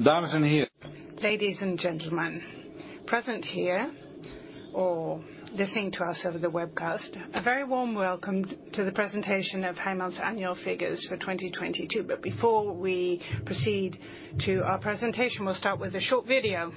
Ladies and gentlemen present here or listening to us over the webcast, a very warm welcome to the presentation of Heijmans' annual figures for 2022. Before we proceed to our presentation, we'll start with a short video.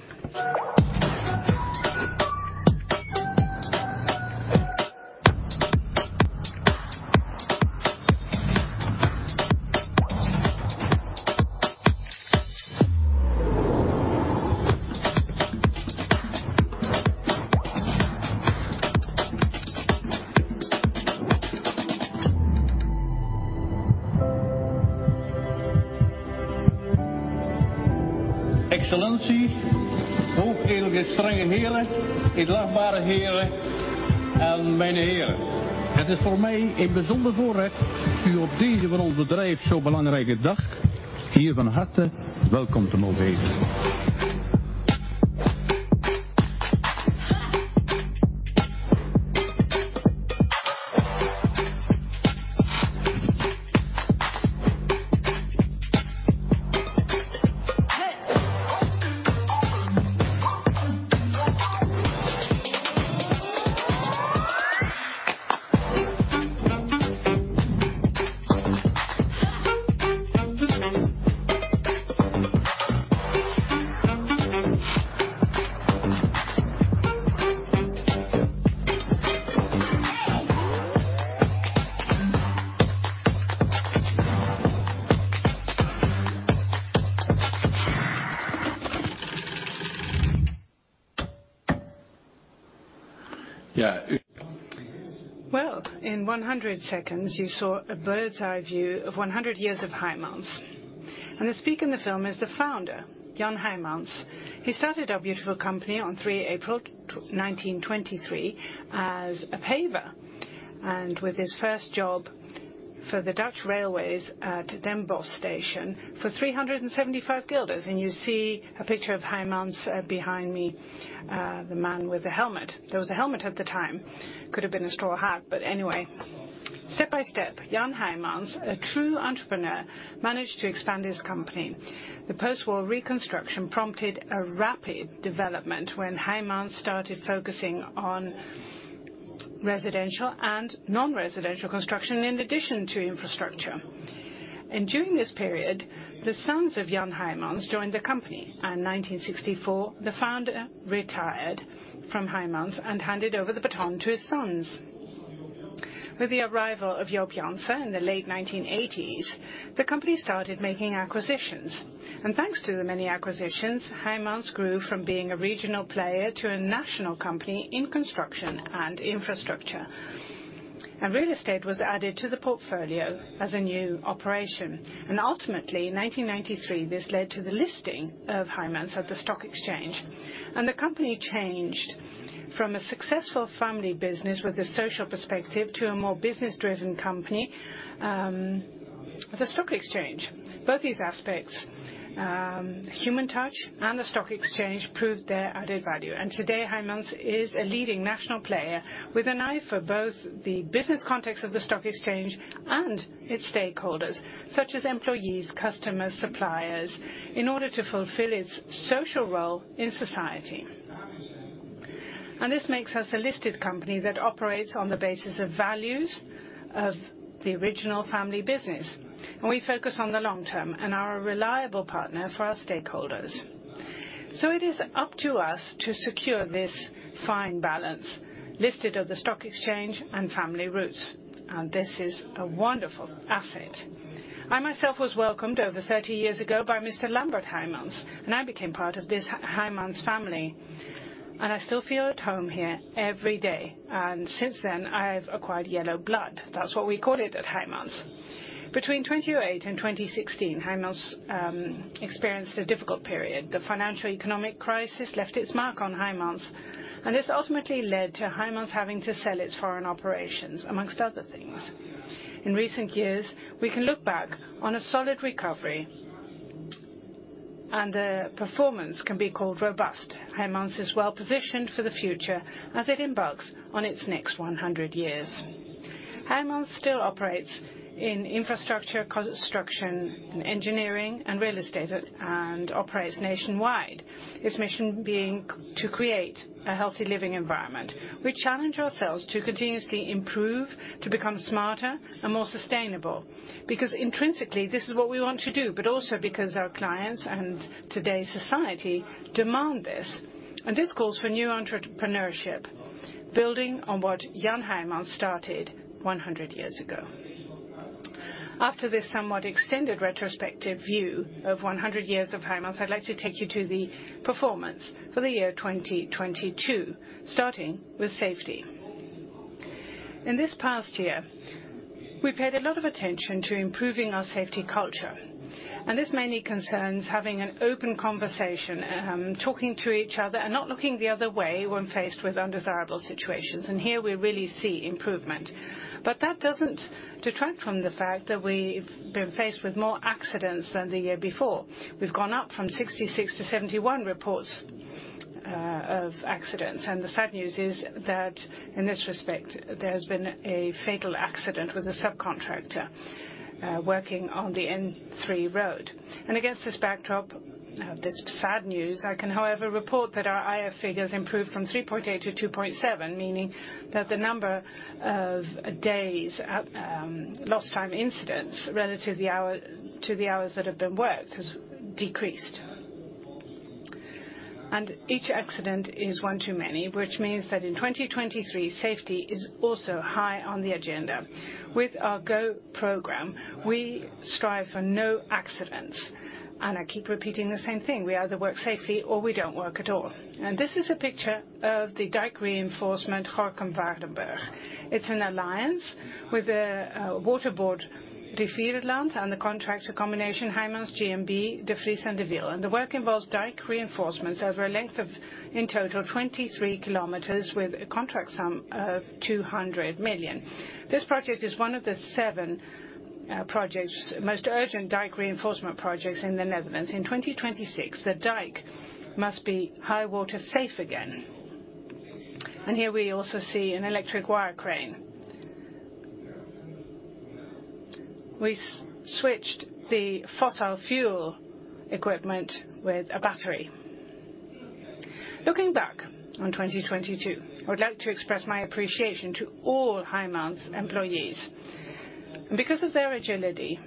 In 100 seconds, you saw a bird's-eye view of 100 years of Heijmans. The speaker in the film is the founder, Jan Heijmans. He started our beautiful company on 3 April 1923 as a paver, with his first job for the Dutch Railways at Den Bosch station for NLG 375. You see a picture of Heijmans behind me, the man with the helmet. There was a helmet at the time. Could have been a straw hat, but anyway. Step by step, Jan Heijmans, a true entrepreneur, managed to expand his company. The post-war reconstruction prompted a rapid development when Heijmans started focusing on residential and non-residential construction, in addition to infrastructure. During this period, the sons of Jan Heijmans joined the company. 1964, the founder retired from Heijmans and handed over the baton to his sons. With the arrival of Joop Jonker in the late 1980s, the company started making acquisitions. Thanks to the many acquisitions, Heijmans grew from being a regional player to a national company in construction and infrastructure. Real estate was added to the portfolio as a new operation. Ultimately, in 1993, this led to the listing of Heijmans at the stock exchange, and the company changed from a successful family business with a social perspective, to a more business-driven company with a stock exchange. Both these aspects, human touch and the stock exchange, proved their added value. Today, Heijmans is a leading national player with an eye for both the business context of the stock exchange and its stakeholders, such as employees, customers, suppliers, in order to fulfill its social role in society. This makes us a listed company that operates on the basis of values of the original family business, and we focus on the long term and are a reliable partner for our stakeholders. It is up to us to secure this fine balance, listed of the stock exchange and family roots. This is a wonderful asset. I myself was welcomed over 30 years ago by Mr. Lambert Heijmans, and I became part of this Heijmans family, and I still feel at home here every day. Since then, I've acquired yellow blood. That's what we call it at Heijmans. Between 2008 and 2016, Heijmans experienced a difficult period. The financial economic crisis left its mark on Heijmans, and this ultimately led to Heijmans having to sell its foreign operations, amongst other things. In recent years, we can look back on a solid recovery, and the performance can be called robust. Heijmans is well-positioned for the future as it embarks on its next 100 years. Heijmans still operates in infrastructure, construction, engineering, and real estate, and operates nationwide. Its mission being to create a healthy living environment. We challenge ourselves to continuously improve, to become smarter and more sustainable, because intrinsically, this is what we want to do, but also because our clients and today's society demand this. This calls for new entrepreneurship, building on what Jan Heijmans started 100 years ago. After this somewhat extended retrospective view of 100 years of Heijmans, I'd like to take you to the performance for the year 2022, starting with safety. In this past year, we paid a lot of attention to improving our safety culture, and this mainly concerns having an open conversation, talking to each other and not looking the other way when faced with undesirable situations. Here, we really see improvement. That doesn't detract from the fact that we've been faced with more accidents than the year before. We've gone up from 66 to 71 reports. Of accidents. The sad news is that in this respect, there's been a fatal accident with a subcontractor, working on the N3 road. Against this backdrop of this sad news, I can, however, report that our IF figures improved from 3.8 to 2.7, meaning that the number of days, lost time incidents relative to the hours that have been worked has decreased. Each accident is one too many, which means that in 2023, safety is also high on the agenda. With our GO! program, we strive for no accidents. I keep repeating the same thing, we either work safely or we don't work at all. This is a picture of the dike reinforcement, Gorinchem-Waardenburg. It's an alliance with Waterschap Rivierenland and the contractor combination, Heijmans, GMB, de Vries & van de Wiel. The work involves dike reinforcements over a length of, in total, 23 km with a contract sum of 200 million. This project is one of the seven most urgent dike reinforcement projects in the Netherlands. In 2026, the dike must be high water safe again. Here we also see an electric wire crane. We switched the fossil fuel equipment with a battery. Looking back on 2022, I would like to express my appreciation to all Heijmans employees. Because of their agility,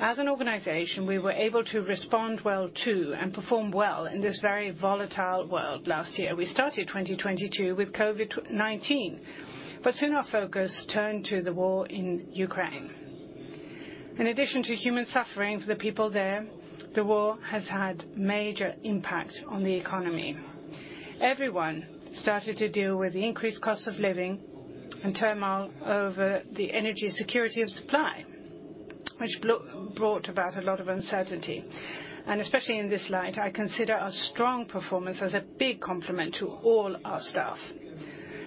as an organization, we were able to respond well too, and perform well in this very volatile world last year. We started 2022 with COVID-19. Soon our focus turned to the war in Ukraine. In addition to human suffering for the people there, the war has had major impact on the economy. Everyone started to deal with the increased cost of living and turmoil over the energy security and supply, which brought about a lot of uncertainty. Especially in this light, I consider our strong performance as a big compliment to all our staff.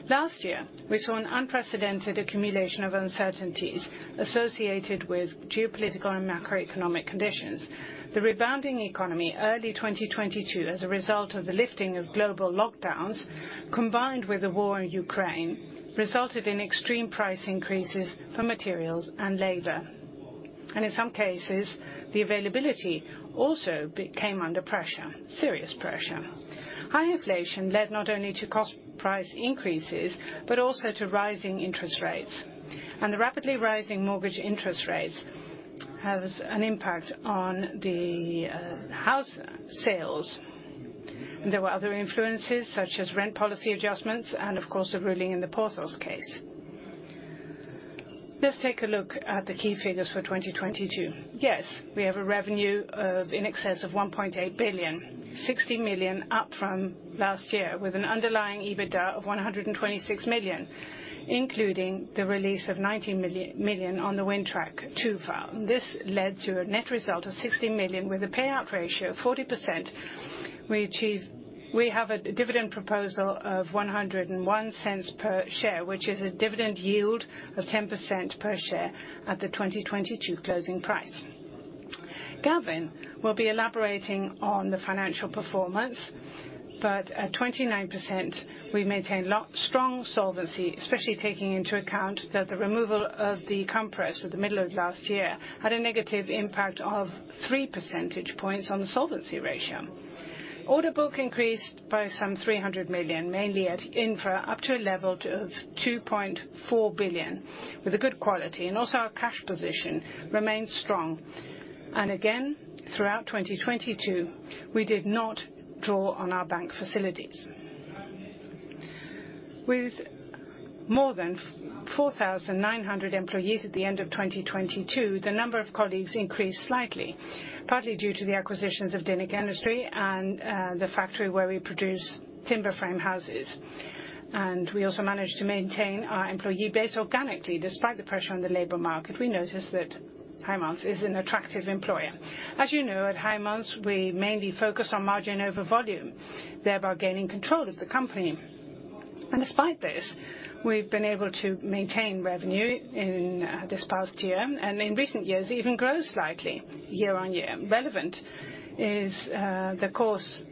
Last year, we saw an unprecedented accumulation of uncertainties associated with geopolitical and macroeconomic conditions. The rebounding economy early 2022 as a result of the lifting of global lockdowns, combined with the war in Ukraine, resulted in extreme price increases for materials and labor. In some cases, the availability also became under pressure, serious pressure. High inflation led not only to cost price increases, but also to rising interest rates. The rapidly rising mortgage interest rates has an impact on the house sales. There were other influences such as rent policy adjustments and of course, the ruling in the PAS case. Let's take a look at the key figures for 2022. Yes, we have a revenue of in excess of 1.8 billion. 60 million up from last year, with an underlying EBITDA of 126 million, including the release of 90 million on the Wintrack II file. This led to a net result of 60 million with a payout ratio of 40%. We have a dividend proposal of 1.01 per share, which is a dividend yield of 10% per share at the 2022 closing price. Gavin will be elaborating on the financial performance, but at 29%, we maintain strong solvency, especially taking into account that the removal of the cumprefs at the middle of last year, had a negative impact of 3 percentage points on the solvency ratio. Order book increased by some 300 million, mainly at Infra, up to a level of 2.4 billion, with a good quality. Also our cash position remains strong. Again, throughout 2022, we did not draw on our bank facilities. With more than 4,900 employees at the end of 2022, the number of colleagues increased slightly, partly due to the acquisitions of Dynniq Energy and the factory where we produce timber frame houses. We also managed to maintain our employee base organically. Despite the pressure on the labor market, we noticed that Heijmans is an attractive employer. As you know, at Heijmans, we mainly focus on margin over volume, thereby gaining control of the company. Despite this, we've been able to maintain revenue in this past year and in recent years, even grow slightly year-on-year. Relevant is the course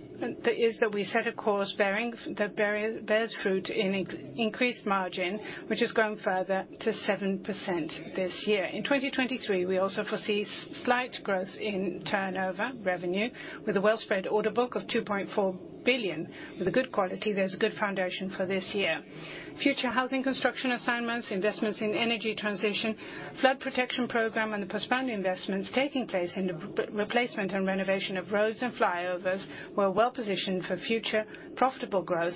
is that we set a course bearing that bears fruit in increased margin, which has grown further to 7% this year. In 2023, we also foresee slight growth in turnover, revenue, with a well-spread order book of 2.4 billion. With a good quality, there's a good foundation for this year. Future housing construction assignments, investments in energy transition, flood protection program, and the postponed investments taking place in the replacement and renovation of roads and flyovers, we're well-positioned for future profitable growth.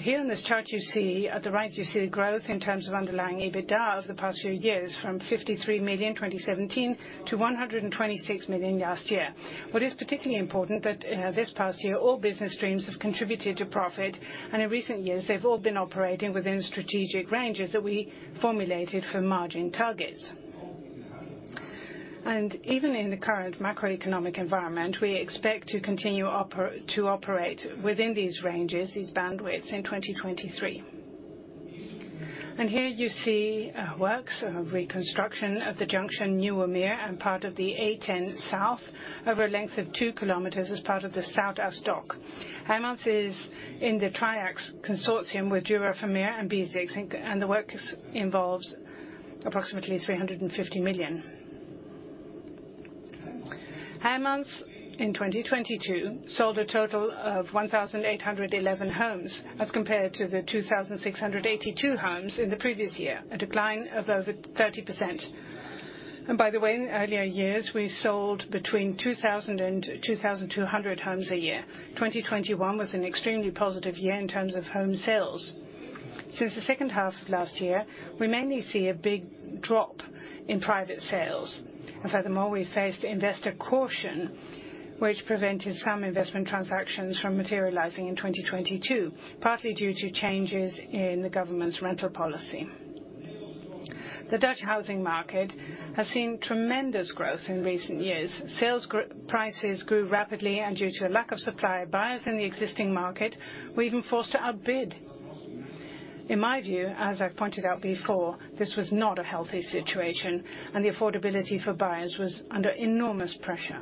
Here in this chart, you see, at the right, you see the growth in terms of underlying EBITDA of the past few years, from 53 million in 2017 to 126 million last year. What is particularly important that this past year, all business streams have contributed to profit, in recent years, they've all been operating within strategic ranges that we formulated for margin targets. Even in the current macroeconomic environment, we expect to continue to operate within these ranges, these bandwidths in 2023. Here you see works of reconstruction of the junction De Nieuwe Meer and part of the A10 South over a length of 2 km as part of the Zuidoasdok. Heijmans is in the TriAX consortium with Dura Vermeer and Besix. The works involves approximately EUR 350 million. Heijmans, in 2022, sold a total of 1,811 homes as compared to the 2,682 homes in the previous year, a decline of over 30%. By the way, in earlier years, we sold between 2,200 homes a year. 2021 was an extremely positive year in terms of home sales. Since the second half of last year, we mainly see a big drop in private sales. Furthermore, we faced investor caution, which prevented some investment transactions from materializing in 2022, partly due to changes in the government's rental policy. The Dutch housing market has seen tremendous growth in recent years. Sales prices grew rapidly, and due to a lack of supply, buyers in the existing market were even forced to outbid. In my view, as I've pointed out before, this was not a healthy situation, and the affordability for buyers was under enormous pressure.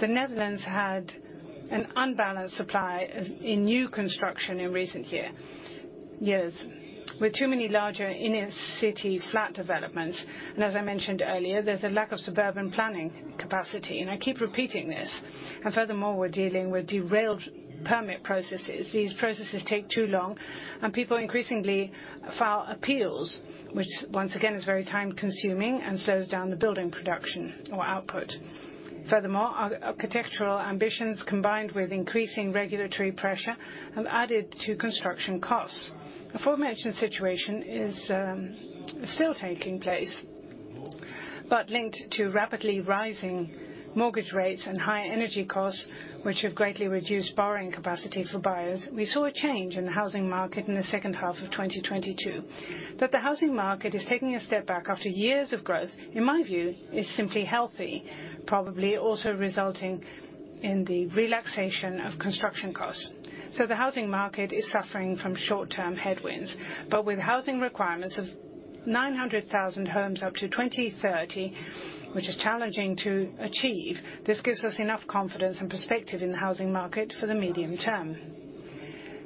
The Netherlands had an unbalanced supply in new construction in recent years, with too many larger inner-city flat developments. As I mentioned earlier, there's a lack of suburban planning capacity, and I keep repeating this. Furthermore, we're dealing with derailed permit processes. These processes take too long, and people increasingly file appeals, which once again, is very time-consuming and slows down the building production or output. Furthermore, architectural ambitions, combined with increasing regulatory pressure, have added to construction costs. Aforementioned situation is still taking place, but linked to rapidly rising mortgage rates and high energy costs, which have greatly reduced borrowing capacity for buyers. We saw a change in the housing market in the second half of 2022. That the housing market is taking a step back after years of growth, in my view, is simply healthy, probably also resulting in the relaxation of construction costs. The housing market is suffering from short-term headwinds, but with housing requirements of 900,000 homes up to 2030, which is challenging to achieve, this gives us enough confidence and perspective in the housing market for the medium term.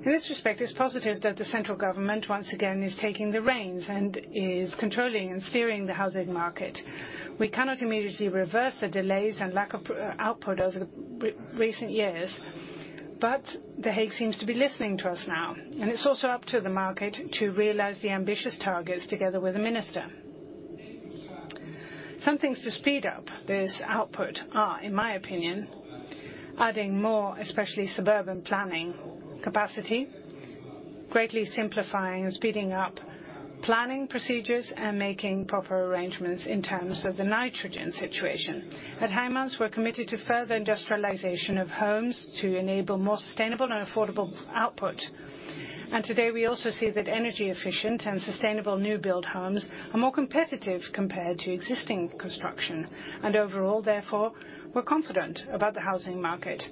In this respect, it's positive that the central government, once again, is taking the reins and is controlling and steering the housing market. We cannot immediately reverse the delays and lack of output over the recent years, but The Hague seems to be listening to us now, and it's also up to the market to realize the ambitious targets together with the minister. Some things to speed up this output are, in my opinion, adding more, especially suburban planning capacity, greatly simplifying and speeding up planning procedures, and making proper arrangements in terms of the nitrogen situation. At Heijmans, we're committed to further industrialization of homes to enable more sustainable and affordable output. Today, we also see that energy-efficient and sustainable new build homes are more competitive compared to existing construction. Overall, therefore, we're confident about the housing market.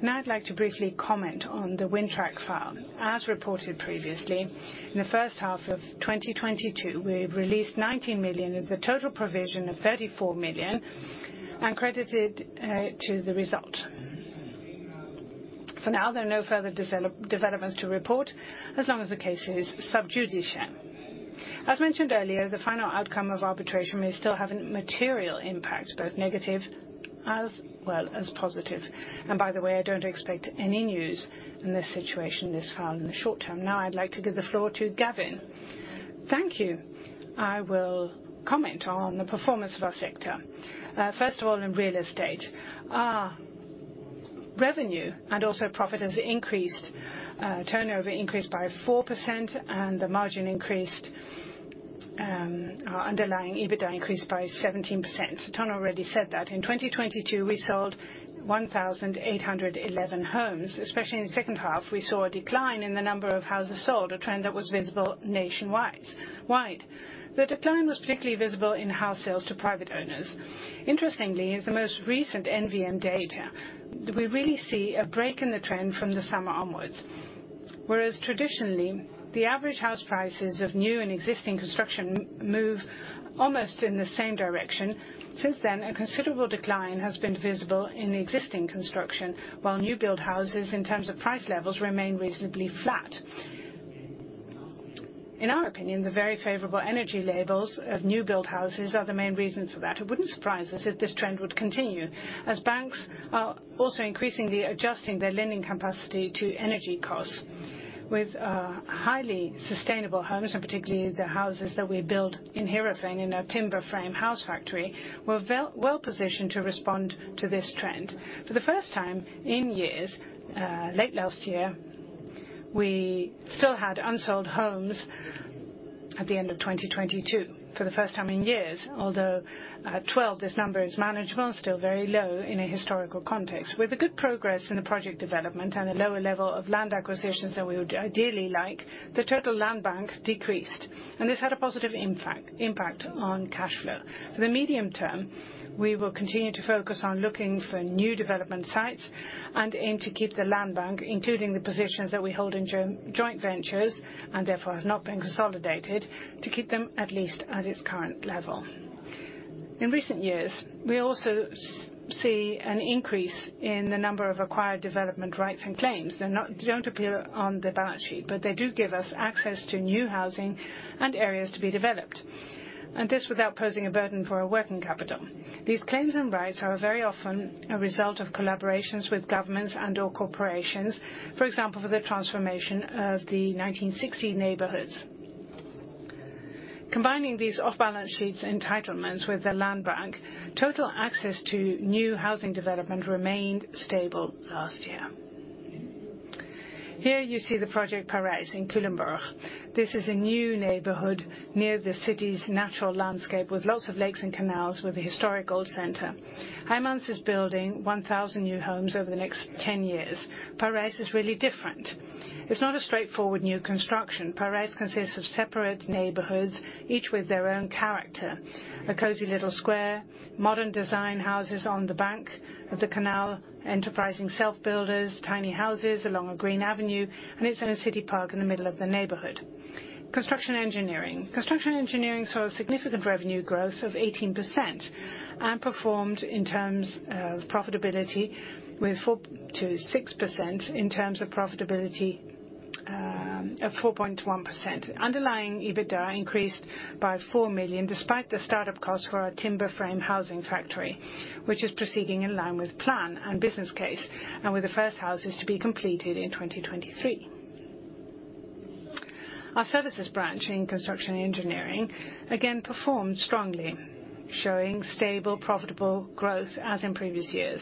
Now I'd like to briefly comment on the Wintrack II file. As reported previously, in the first half of 2022, we've released 90 million of the total provision of 34 million and credit it to the result. For now, there are no further developments to report as long as the case is sub judice. As mentioned earlier, the final outcome of arbitration may still have a material impact, both negative as well as positive. By the way, I don't expect any news in this situation, this file in the short term. Now I'd like to give the floor to Gavin. Thank you. I will comment on the performance of our sector. First of all, in real estate, our revenue and also profit has increased. Turnover increased by 4%, and the margin increased, our underlying EBITDA increased by 17%. Ton already said that in 2022, we sold 1,811 homes, especially in the second half, we saw a decline in the number of houses sold, a trend that was visible nationwide. The decline was particularly visible in house sales to private owners. Interestingly, in the most recent NVM data, we really see a break in the trend from the summer onwards. Whereas traditionally, the average house prices of new and existing construction move almost in the same direction. Since then, a considerable decline has been visible in the existing construction, while new build houses, in terms of price levels, remain reasonably flat. In our opinion, the very favorable energy labels of new build houses are the main reasons for that. It wouldn't surprise us if this trend would continue, as banks are also increasingly adjusting their lending capacity to energy costs. With highly sustainable homes, and particularly the houses that we build in Heerhugowaard in our timber frame house factory, we're well positioned to respond to this trend. For the first time in years, late last year, we still had unsold homes at the end of 2022 for the first time in years. Although at 12, this number is manageable, still very low in a historical context. With the good progress in the project development and a lower level of land acquisitions than we would ideally like, the total land bank decreased. This had a positive impact on cash flow. For the medium term, we will continue to focus on looking for new development sites and aim to keep the land bank, including the positions that we hold in joint ventures, therefore have not been consolidated, to keep them at least at its current level. In recent years, we also see an increase in the number of acquired development rights and claims. They don't appear on the balance sheet, but they do give us access to new housing and areas to be developed, and this without posing a burden for our working capital. These claims and rights are very often a result of collaborations with governments and/or corporations, for example, for the transformation of the 1960 neighborhoods. Combining these off-balance-sheet entitlements with the land bank, total access to new housing development remained stable last year. Here you see the project Parels in Culemborg. This is a new neighborhood near the city's natural landscape with lots of lakes and canals with a historical center. Heijmans is building 1,000 new homes over the next 10 years. Parels is really different. It's not a straightforward new construction. Parels consists of separate neighborhoods, each with their own character. A cozy little square, modern design houses on the bank of the canal, enterprising self-builders, tiny houses along a green avenue, and its own city park in the middle of the neighborhood. Construction engineering saw a significant revenue growth of 18% and performed in terms of profitability with 4%-6%, in terms of profitability, 4.1%. Underlying EBITDA increased by 4 million, despite the start-up cost for our timber frame housing factory, which is proceeding in line with plan and business case, and with the first houses to be completed in 2023. Our services branch in construction engineering again performed strongly, showing stable, profitable growth as in previous years.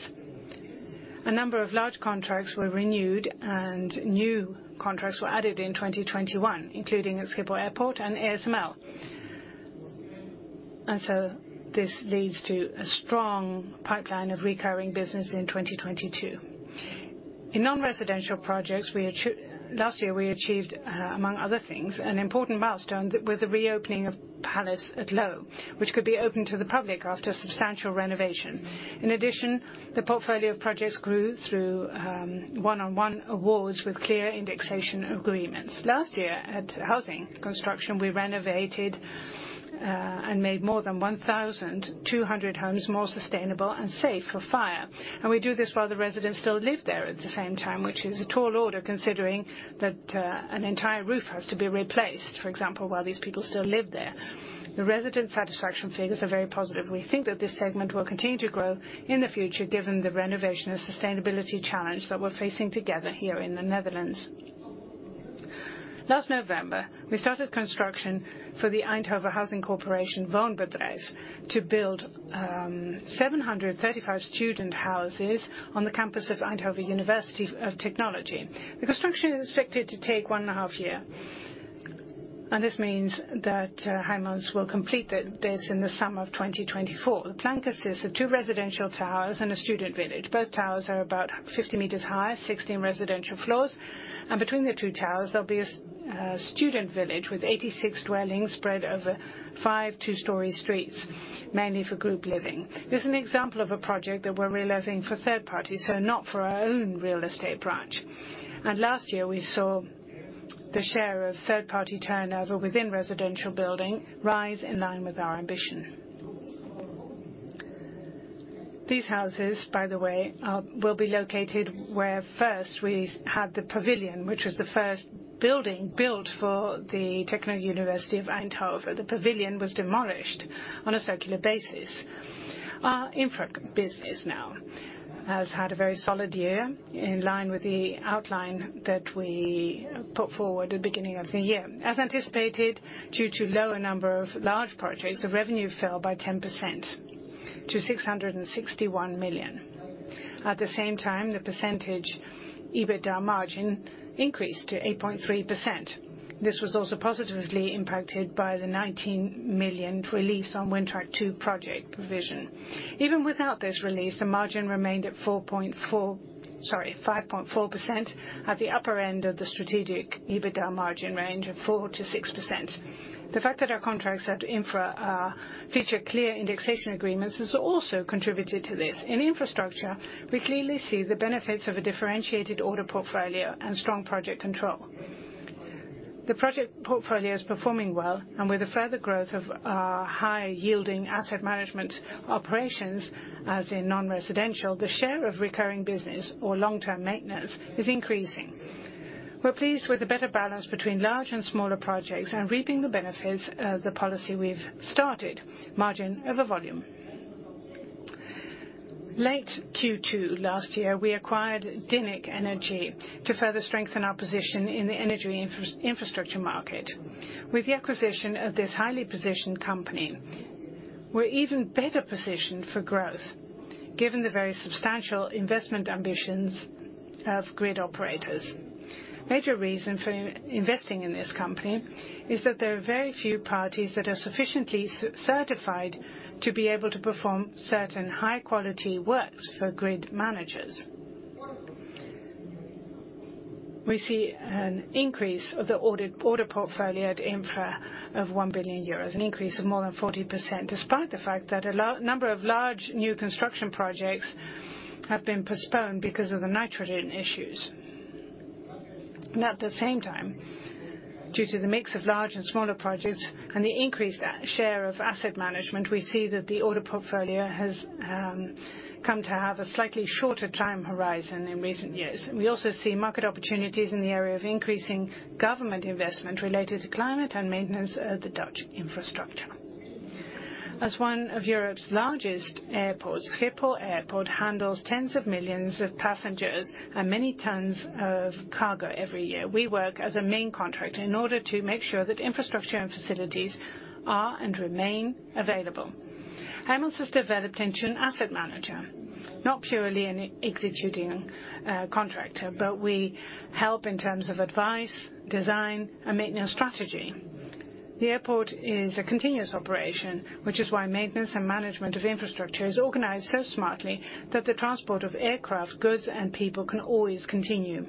A number of large contracts were renewed and new contracts were added in 2021, including at Schiphol Airport and ASML. This leads to a strong pipeline of recurring business in 2022. In non-residential projects, last year we achieved, among other things, an important milestone with the reopening of Paleis Het Loo, which could be opened to the public after substantial renovation. In addition, the portfolio of projects grew through one-on-one awards with clear indexation agreements. Last year at housing construction, we renovated and made more than 1,200 homes more sustainable and safe for fire. We do this while the residents still live there at the same time, which is a tall order considering that an entire roof has to be replaced, for example, while these people still live there. The resident satisfaction figures are very positive. We think that this segment will continue to grow in the future given the renovation and sustainability challenge that we're facing together here in the Netherlands. Last November, we started construction for the Eindhoven Housing Corporation Woonbedrijf to build 735 student houses on the campus of Eindhoven University of Technology. The construction is expected to take one and a half year, and this means that Heijmans will complete this in the summer of 2024. The plan consists of two residential towers and a student village. Both towers are about 50 meters high, 16 residential floors, and between the two towers, there'll be a student village with 86 dwellings spread over five two-story streets, mainly for group living. This is an example of a project that we're realizing for third parties, so not for our own real estate branch. Last year, we saw the share of third-party turnover within residential building rise in line with our ambition. These houses, by the way, will be located where first we had the pavilion, which was the first building built for the Eindhoven University of Technology. The pavilion was demolished on a circular basis. Our infra business now has had a very solid year in line with the outline that we put forward at the beginning of the year. As anticipated, due to lower number of large projects, the revenue fell by 10% to 661 million. At the same time, the EBITDA margin increased to 8.3%. This was also positively impacted by the 19 million release on Wintrack II project provision. Even without this release, the margin remained at 5.4% at the upper end of the strategic EBITDA margin range of 4%-6%. The fact that our contracts at Infra feature clear indexation agreements has also contributed to this. In infrastructure, we clearly see the benefits of a differentiated order portfolio and strong project control. The project portfolio is performing well, and with the further growth of our high-yielding asset management operations, as in non-residential, the share of recurring business or long-term maintenance is increasing. We're pleased with the better balance between large and smaller projects and reaping the benefits of the policy we've started, margin over volume. Late Q2 last year, we acquired Dynniq Energy to further strengthen our position in the energy infrastructure market. With the acquisition of this highly positioned company, we're even better positioned for growth, given the very substantial investment ambitions of grid operators. Major reason for investing in this company is that there are very few parties that are sufficiently certified to be able to perform certain high-quality works for grid managers. We see an increase of the order portfolio at Infra of 1 billion euros, an increase of more than 40%, despite the fact that a number of large new construction projects have been postponed because of the nitrogen issues. At the same time, due to the mix of large and smaller projects and the increased share of asset management, we see that the order portfolio has come to have a slightly shorter time horizon in recent years. We also see market opportunities in the area of increasing government investment related to climate and maintenance of the Dutch infrastructure. As one of Europe's largest airports, Schiphol Airport handles tens of millions of passengers and many tons of cargo every year. We work as a main contract in order to make sure that infrastructure and facilities are and remain available. Heijmans has developed into an asset manager, not purely an executing contractor, but we help in terms of advice, design, and maintenance strategy. The airport is a continuous operation, which is why maintenance and management of infrastructure is organized so smartly that the transport of aircraft, goods, and people can always continue.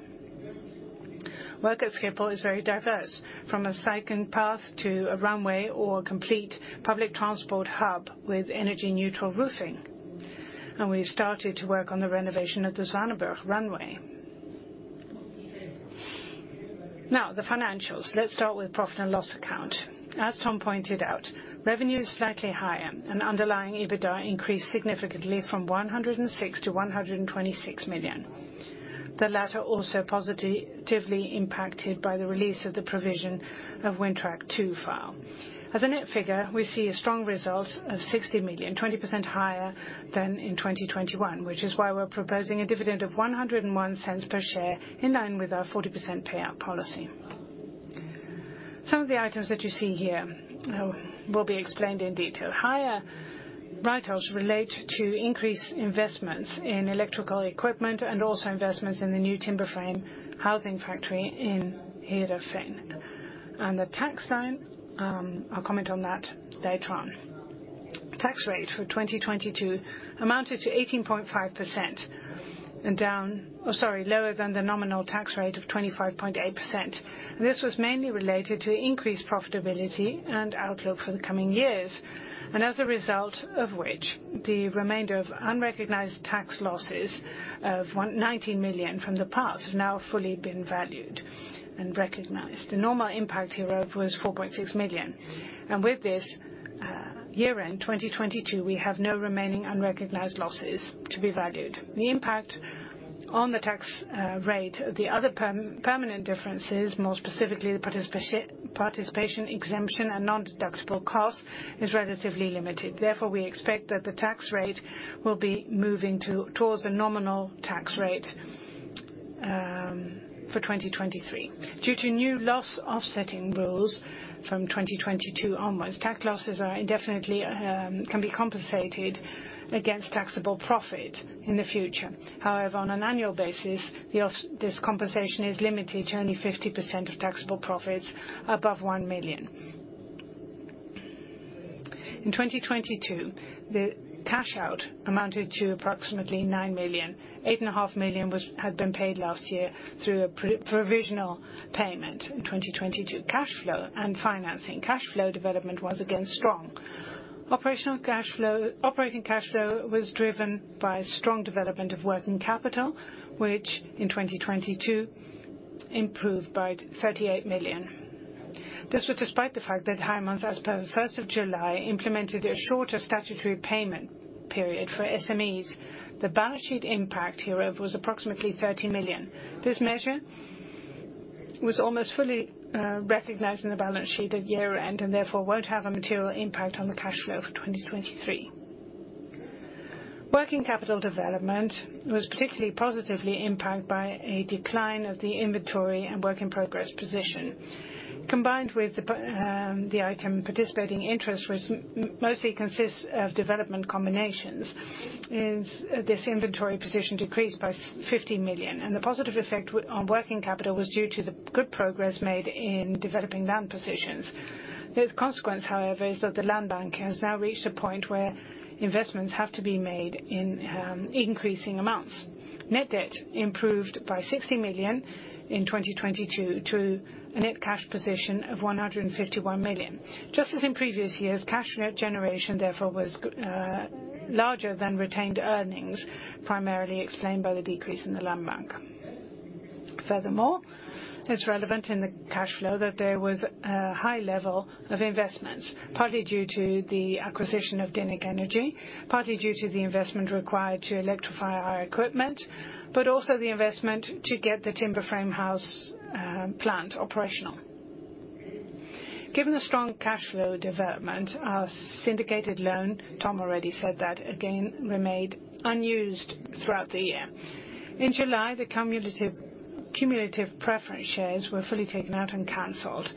Work at Schiphol is very diverse, from a cycling path to a runway or a complete public transport hub with energy-neutral roofing. We started to work on the renovation of the Zwanenburgbaan runway. Now, the financials. Let's start with profit and loss account. As Ton pointed out, revenue is slightly higher, and underlying EBITDA increased significantly from 106 million to 126 million. The latter also positively impacted by the release of the provision of Wintrack II file. As a net figure, we see a strong result of 60 million, 20% higher than in 2021, which is why we're proposing a dividend of 1.01 per share, in line with our 40% payout policy. Some of the items that you see here will be explained in detail. Higher write-offs relate to increased investments in electrical equipment and also investments in the new timber frame housing factory in Heerhugowaard. The tax sign, I'll comment on that later on. Tax rate for 2022 amounted to 18.5%, lower than the nominal tax rate of 25.8%. This was mainly related to increased profitability and outlook for the coming years, and as a result of which, the remainder of unrecognized tax losses of 19 million from the past have now fully been valued and recognized. The normal impact here of was 4.6 million. With this, year-end 2022, we have no remaining unrecognized losses to be valued. The impact on the tax rate, the other permanent differences, more specifically the participation exemption and nondeductible costs, is relatively limited. We expect that the tax rate will be moving towards a nominal tax rate for 2023. Due to new loss offsetting rules from 2022 onwards, tax losses are indefinitely can be compensated against taxable profit in the future. However, on an annual basis, this compensation is limited to only 50% of taxable profits above 1 million. In 2022, the cash out amounted to approximately 9 million. 8.5 million had been paid last year through a provisional payment in 2022. Cash flow and financing. Cash flow development was again strong. Operating cash flow was driven by strong development of working capital, which in 2022 improved by 38 million. This was despite the fact that Heijmans, as per the first of July, implemented a shorter statutory payment period for SMEs. The balance sheet impact hereof was approximately 30 million. This measure was almost fully recognized in the balance sheet at year-end, and therefore won't have a material impact on the cash flow for 2023. Working capital development was particularly positively impacted by a decline of the inventory and work in progress position. Combined with the the item participating interest, which mostly consists of development combinations, is this inventory position decreased by 50 million, and the positive effect on working capital was due to the good progress made in developing land positions. The consequence, however, is that the land bank has now reached a point where investments have to be made in increasing amounts. Net debt improved by 60 million in 2022 to a net cash position of 151 million. Just as in previous years, cash net generation, therefore, was larger than retained earnings, primarily explained by the decrease in the land bank. Furthermore, it's relevant in the cash flow that there was a high level of investments, partly due to the acquisition of Dynniq Energy, partly due to the investment required to electrify our equipment, but also the investment to get the timber frame house plant operational. Given the strong cash flow development, our syndicated loan, Ton already said that, again remained unused throughout the year. In July, the cumulative preference shares were fully taken out and canceled.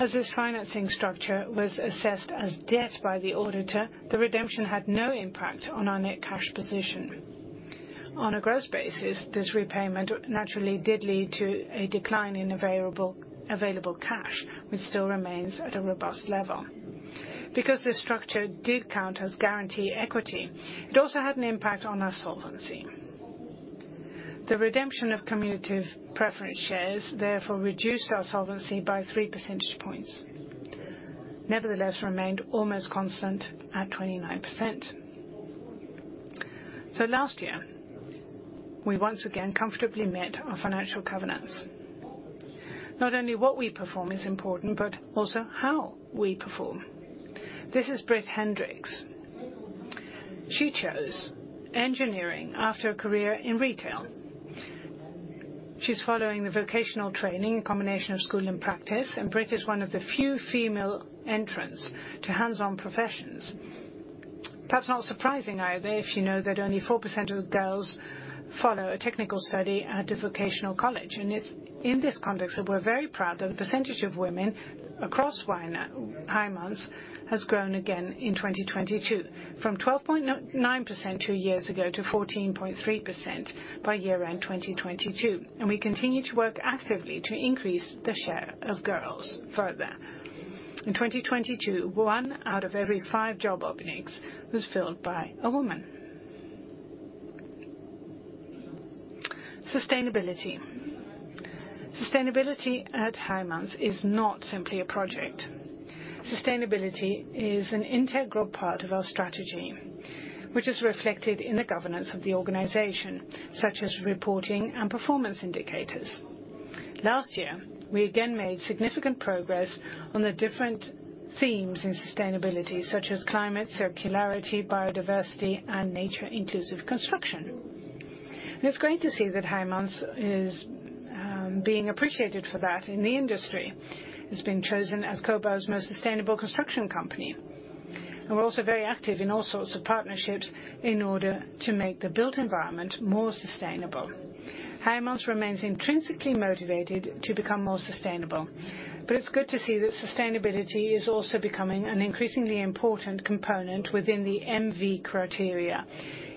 As this financing structure was assessed as debt by the auditor, the redemption had no impact on our net cash position. On a gross basis, this repayment naturally did lead to a decline in available cash, which still remains at a robust level. This structure did count as guarantee equity, it also had an impact on our solvency. The redemption of cumulative preference shares therefore reduced our solvency by three percentage points. Nevertheless, remained almost constant at 29%. Last year, we once again comfortably met our financial covenants. Not only what we perform is important, but also how we perform. This is Britt Hendrix. She chose engineering after a career in retail. She's following the vocational training, a combination of school and practice, and Britt is one of the few female entrants to hands-on professions. Not surprising either, if you know that only 4% of girls follow a technical study at the vocational college. It's in this context that we're very proud that the percentage of women across Heijmans has grown again in 2022, from 12.9% two years ago to 14.3% by year-end 2022. We continue to work actively to increase the share of girls further. In 2022, one out of every five job openings was filled by a woman. Sustainability. Sustainability at Heijmans is not simply a project. Sustainability is an integral part of our strategy, which is reflected in the governance of the organization, such as reporting and performance indicators. Last year, we again made significant progress on the different themes in sustainability, such as climate, circularity, biodiversity, and nature-inclusive construction. It's great to see that Heijmans is being appreciated for that in the industry. It's been chosen as Cobouw's most sustainable construction company. We're also very active in all sorts of partnerships in order to make the built environment more sustainable. Heijmans remains intrinsically motivated to become more sustainable, but it's good to see that sustainability is also becoming an increasingly important component within the MVI criteria.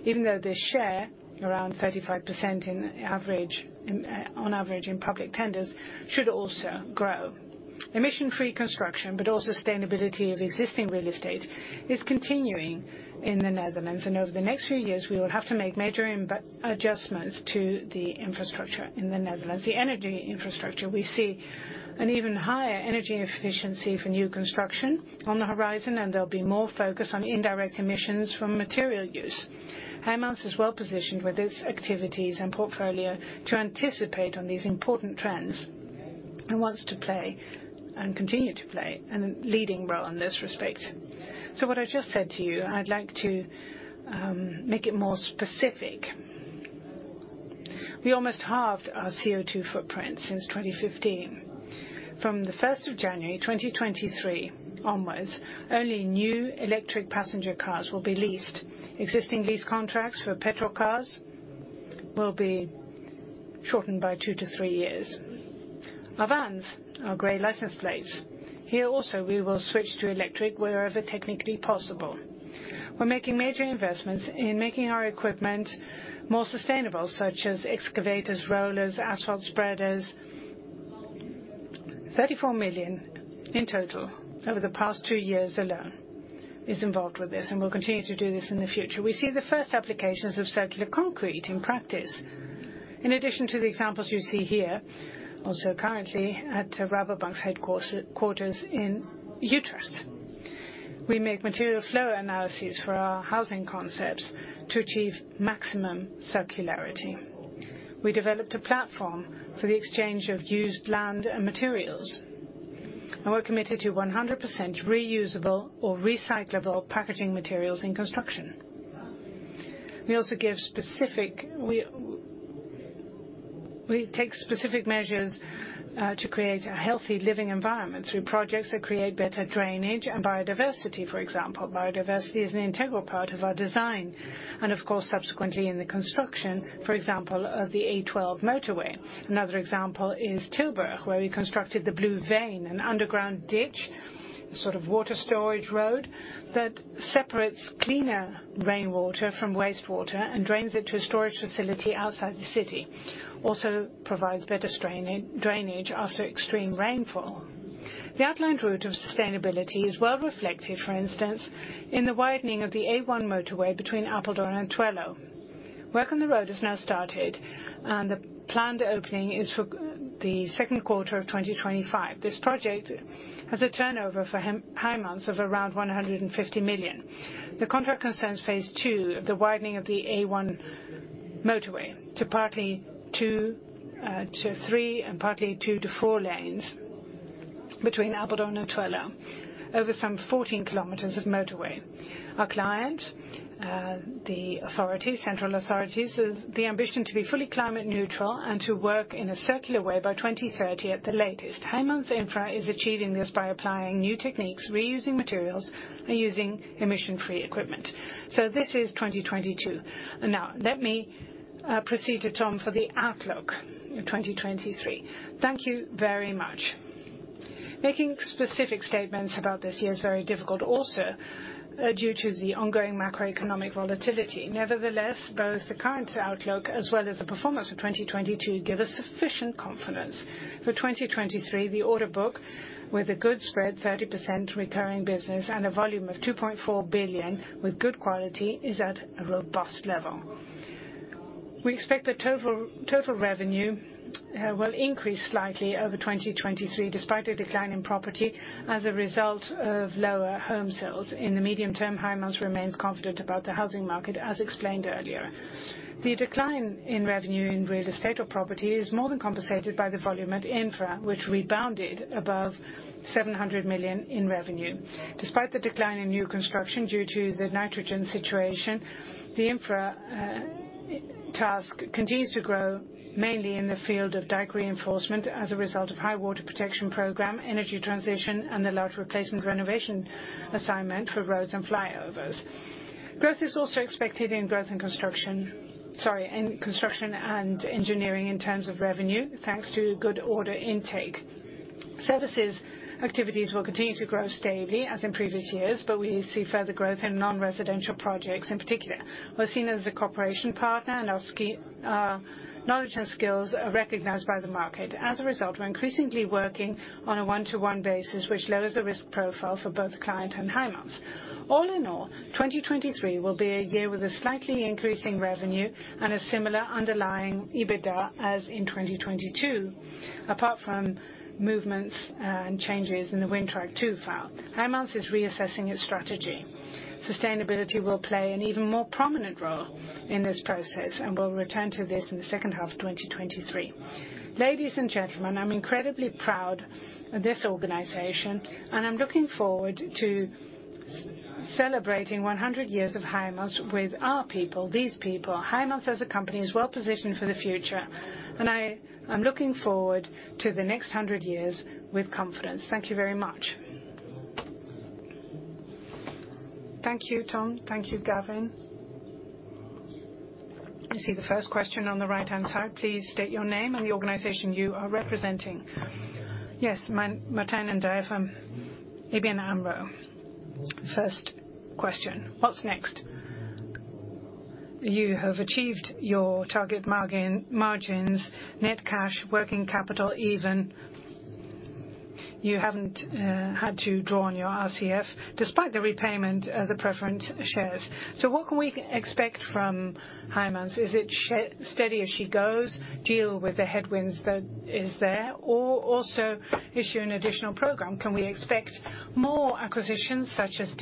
Even though the share, around 35% in average, in on average in public tenders, should also grow. Emission-free construction, but also sustainability of existing real estate is continuing in the Netherlands. Over the next few years, we will have to make major adjustments to the infrastructure in the Netherlands. The energy infrastructure, we see an even higher energy efficiency for new construction on the horizon, and there'll be more focus on indirect emissions from material use. Heijmans is well-positioned with its activities and portfolio to anticipate on these important trends, and wants to play and continue to play a leading role in this respect. What I just said to you, I'd like to make it more specific. We almost halved our CO2 footprint since 2015. From the first of January, 2023 onwards, only new electric passenger cars will be leased. Existing lease contracts for petrol cars will be shortened by two to three years. Our vans are gray license plates. Here also, we will switch to electric wherever technically possible. We're making major investments in making our equipment more sustainable, such as excavators, rollers, asphalt spreaders. 34 million in total over the past two years alone is involved with this, and we'll continue to do this in the future. We see the first applications of circular concrete in practice. In addition to the examples you see here, also currently at Rabobank's headquarters in Utrecht. We make material flow analyses for our housing concepts to achieve maximum circularity. We developed a platform for the exchange of used land and materials, and we're committed to 100% reusable or recyclable packaging materials in construction. We also give specific measures to create a healthy living environment through projects that create better drainage and biodiversity, for example. Biodiversity is an integral part of our design, and of course, subsequently in the construction, for example, of the A12 motorway. Another example is Tilburg, where we constructed De Blauwe Ader, an underground ditch, a sort of water storage road that separates cleaner rainwater from wastewater and drains it to a storage facility outside the city. Also provides better drainage after extreme rainfall. The outlined route of sustainability is well reflected, for instance, in the widening of the A1 motorway between Apeldoorn and Twello. Work on the road has now started. The planned opening is for the second quarter of 2025. This project has a turnover for Heijmans of around 150 million. The contract concerns phase II of the widening of the A1 motorway to partly two, to three, and partly two to four lanes between Apeldoorn and Twello over some 14 km of motorway. Our client, the authority, central authorities, has the ambition to be fully climate neutral and to work in a circular way by 2030 at the latest. Heijmans Infra is achieving this by applying new techniques, reusing materials, and using emission-free equipment. This is 2022. Let me proceed to Ton for the outlook in 2023. Thank you very much. Making specific statements about this year is very difficult, also, due to the ongoing macroeconomic volatility. Nevertheless, both the current outlook as well as the performance for 2022 give us sufficient confidence. For 2023, the order book, with a good spread, 30% recurring business and a volume of 2.4 billion with good quality, is at a robust level. We expect that total revenue will increase slightly over 2023, despite a decline in property as a result of lower home sales. In the medium term, Heijmans remains confident about the housing market, as explained earlier. The decline in revenue in real estate or property is more than compensated by the volume at infra, which rebounded above 700 million in revenue. Despite the decline in new construction due to the nitrogen situation, the infra task continues to grow, mainly in the field of dike reinforcement, as a result of high water protection program, energy transition, and the large replacement renovation assignment for roads and flyovers. Growth is also expected in construction and engineering in terms of revenue, thanks to good order intake. Services activities will continue to grow stably, in previous years, but we see further growth in non-residential projects in particular. We're seen as a cooperation partner, and our knowledge and skills are recognized by the market. As a result, we're increasingly working on a one-to-one basis, which lowers the risk profile for both client and Heijmans. All in all, 2023 will be a year with a slightly increasing revenue and a similar underlying EBITDA as in 2022, apart from movements and changes in the Wintrack II file. Heijmans is reassessing its strategy. Sustainability will play an even more prominent role in this process. We'll return to this in the second half of 2023. Ladies and gentlemen, I'm incredibly proud of this organization, and I'm looking forward to celebrating 100 years of Heijmans with our people, these people. Heijmans as a company is well positioned for the future. I'm looking forward to the next 100 years with confidence. Thank you very much. Thank you, Ton. Thank you, Gavin. I see the first question on the right-hand side. Please state your name and the organization you are representing. Yes, Martijn and ABN AMRO. First question, what's next? You have achieved your target margin, margins, net cash, working capital even. You haven't had to draw on your RCF despite the repayment of the preference shares. What can we expect from Heijmans? Is it steady as she goes, deal with the headwinds that is there, or also issue an additional program? Can we expect more acquisitions such as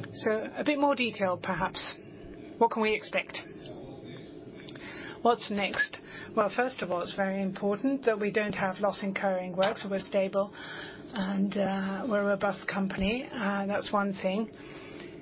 Dynniq? A bit more detail perhaps. What can we expect? What's next? First of all, it's very important that we don't have loss-incurring works. We're stable and we're a robust company. That's one thing.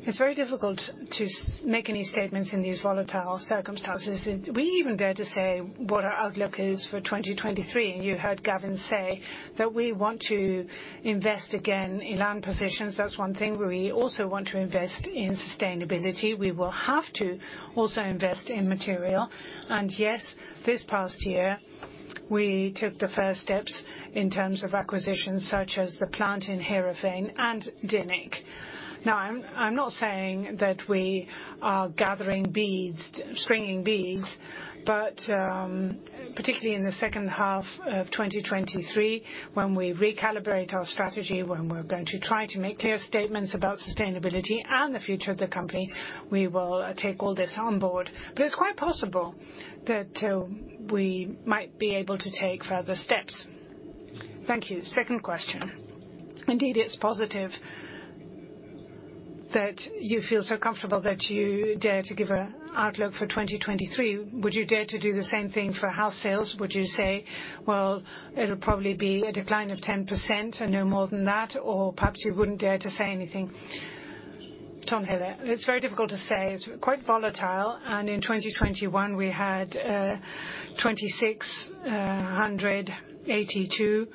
It's very difficult to make any statements in these volatile circumstances. We even dare to say what our outlook is for 2023. You heard Gavin say that we want to invest again in land positions. That's one thing. We also want to invest in sustainability. We will have to also invest in material. Yes, this past year we took the first steps in terms of acquisitions such as the plant in Heerhugowaard and Dynniq. Now, I'm not saying that we are gathering beads, stringing beads, but particularly in the second half of 2023, when we recalibrate our strategy, when we're going to try to make clear statements about sustainability and the future of the company, we will take all this on board. It's quite possible that we might be able to take further steps. Thank you. Second question. Indeed, it's positive that you feel so comfortable that you dare to give an outlook for 2023. Would you dare to do the same thing for house sales? Would you say, well, it'll probably be a decline of 10% and no more than that, or perhaps you wouldn't dare to say anything? Ton Hillen. It's very difficult to say. It's quite volatile. In 2021, we had 2,682.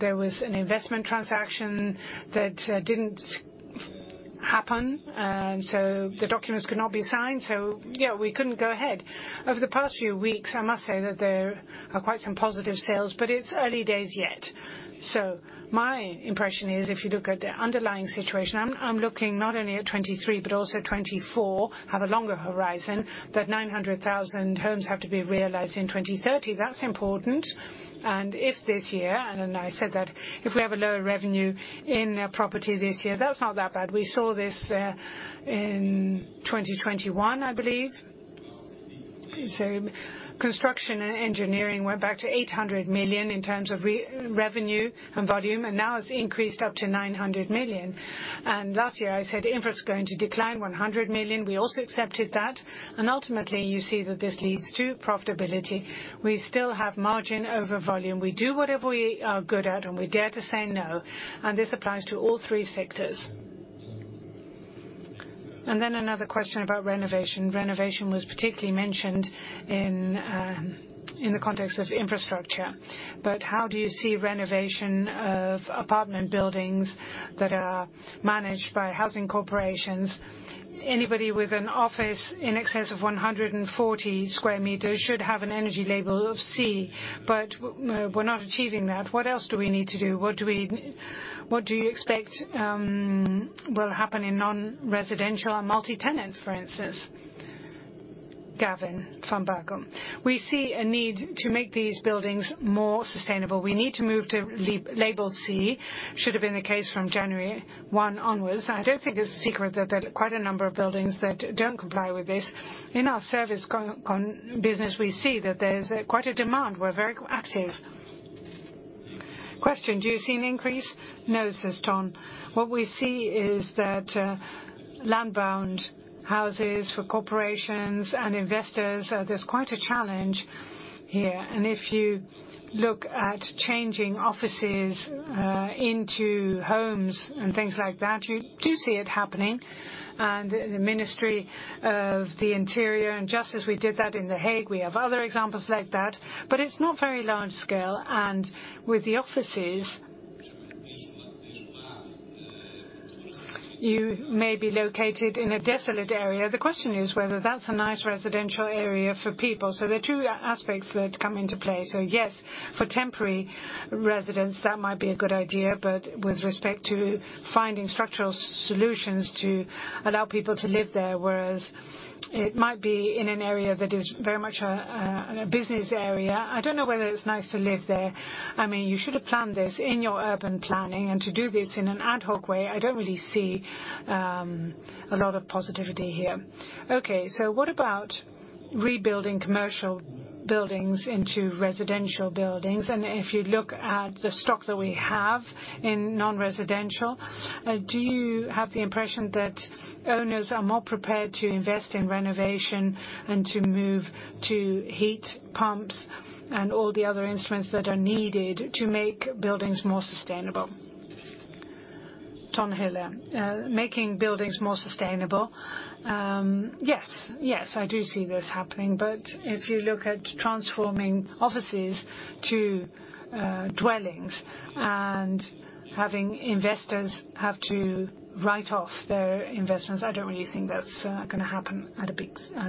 There was an investment transaction that didn't happen, so the documents could not be signed. Yeah, we couldn't go ahead. Over the past few weeks, I must say that there are quite some positive sales, but it's early days yet. My impression is if you look at the underlying situation, I'm looking not only at 2023 but also 2024, have a longer horizon, that 900,000 homes have to be realized in 2030. That's important. If this year, I said that if we have a lower revenue in property this year, that's not that bad. We saw this in 2021, I believe. Construction and engineering went back to 800 million in terms of revenue and volume, and now it's increased up to 900 million. Last year, I said infra's going to decline 100 million. We also accepted that. Ultimately, you see that this leads to profitability. We still have margin over volume. We do whatever we are good at, and we dare to say no, and this applies to all three sectors. Another question about renovation. Renovation was particularly mentioned in the context of infrastructure. How do you see renovation of apartment buildings that are managed by housing corporations? Anybody with an office in excess of 140 sq m should have an energy label of C, we're not achieving that. What else do we need to do? What do you expect will happen in non-residential and multi-tenant, for instance? Gavin van Boekel. We see a need to make these buildings more sustainable. We need to move to label C. Should have been the case from January 1 onwards. I don't think it's a secret that there are quite a number of buildings that don't comply with this. In our service business, we see that there's quite a demand. We're very active. Question, do you see an increase? No, says Ton Hillen. What we see is that land bound houses for corporations and investors, there's quite a challenge here. If you look at changing offices into homes and things like that, you do see it happening. The Ministry of the Interior and Justice, we did that in The Hague. We have other examples like that, but it's not very large scale. With the offices, you may be located in a desolate area. The question is whether that's a nice residential area for people. There are two aspects that come into play. Yes, for temporary residents, that might be a good idea, but with respect to finding structural solutions to allow people to live there, whereas it might be in an area that is very much a business area. I don't know whether it's nice to live there. I mean, you should have planned this in your urban planning and to do this in an ad hoc way, I don't really see a lot of positivity here. Okay, what about rebuilding commercial buildings into residential buildings? If you look at the stock that we have in non-residential, do you have the impression that owners are more prepared to invest in renovation and to move to heat pumps and all the other instruments that are needed to make buildings more sustainable? Ton Hillen. Making buildings more sustainable? Yes, I do see this happening. But if you look at transforming offices to dwellings and having investors have to write off their investments, I don't really think that's gonna happen at a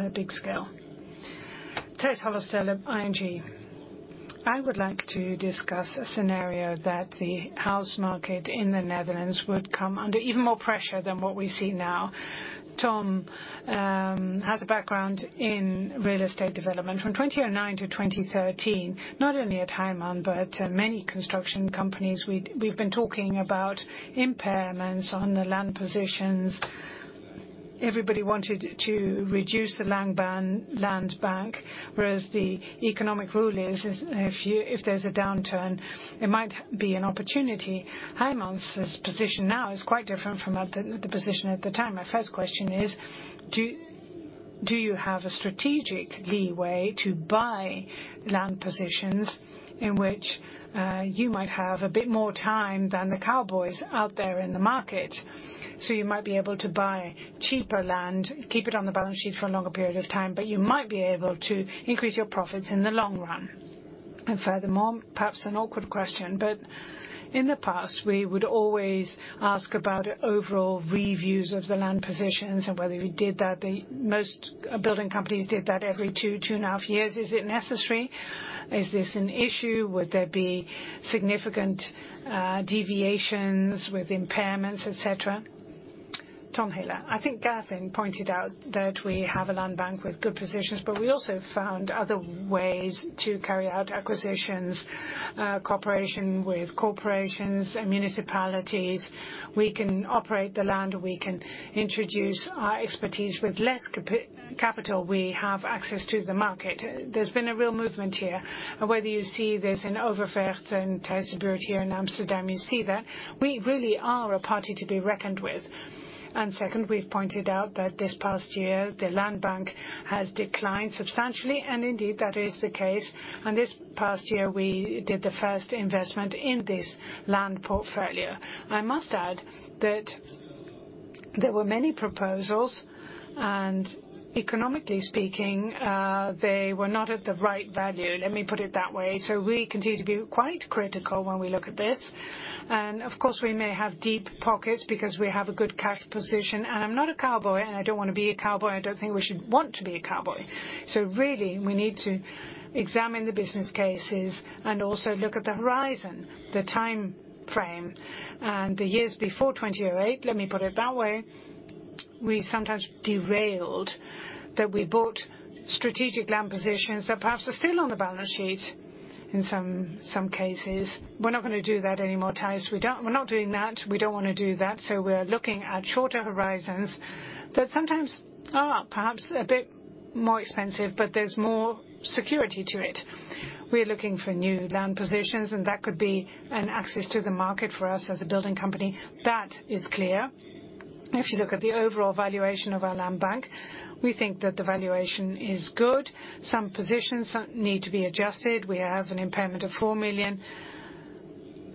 big scale. Tijs Hollestelle of ING. I would like to discuss a scenario that the house market in the Netherlands would come under even more pressure than what we see now. Ton has a background in real estate development. From 2009 to 2013, not only at Heijmans, but many construction companies, we've been talking about impairments on the land positions. Everybody wanted to reduce the land bank, whereas the economic rule is if there's a downturn, it might be an opportunity. Heijmans' position now is quite different from at the position at the time. My first question is do you have a strategic leeway to buy land positions in which you might have a bit more time than the cowboys out there in the market? You might be able to buy cheaper land, keep it on the balance sheet for a longer period of time, but you might be able to increase your profits in the long run. Perhaps an awkward question, but in the past, we would always ask about overall reviews of the land positions and whether we did that. Most building companies did that every two and a half years. Is it necessary? Is this an issue? Would there be significant deviations with impairments, et cetera? Ton Hillen. I think Gavin pointed out that we have a land bank with good positions, but we also found other ways to carry out acquisitions, cooperation with corporations and municipalities. We can operate the land, we can introduce our expertise with less capital. We have access to the market. There's been a real movement here. Whether you see this in Overvecht and IJburg here in Amsterdam, you see that we really are a party to be reckoned with. Second, we've pointed out that this past year, the land bank has declined substantially. Indeed that is the case. This past year, we did the first investment in this land portfolio. I must add that there were many proposals, and economically speaking, they were not at the right value, let me put it that way. We continue to be quite critical when we look at this. Of course, we may have deep pockets because we have a good cash position. I'm not a cowboy, and I don't want to be a cowboy. I don't think we should want to be a cowboy. Really, we need to examine the business cases and also look at the horizon, the timeframe and the years before 2008, let me put it that way, we sometimes derailed, that we bought strategic land positions that perhaps are still on the balance sheet in some cases. We're not gonna do that anymore, Tijs. We're not doing that. We don't wanna do that. We're looking at shorter horizons that sometimes are perhaps a bit more expensive, but there's more security to it. We're looking for new land positions, and that could be an access to the market for us as a building company. That is clear. If you look at the overall valuation of our land bank, we think that the valuation is good. Some positions need to be adjusted. We have an impairment of 4 million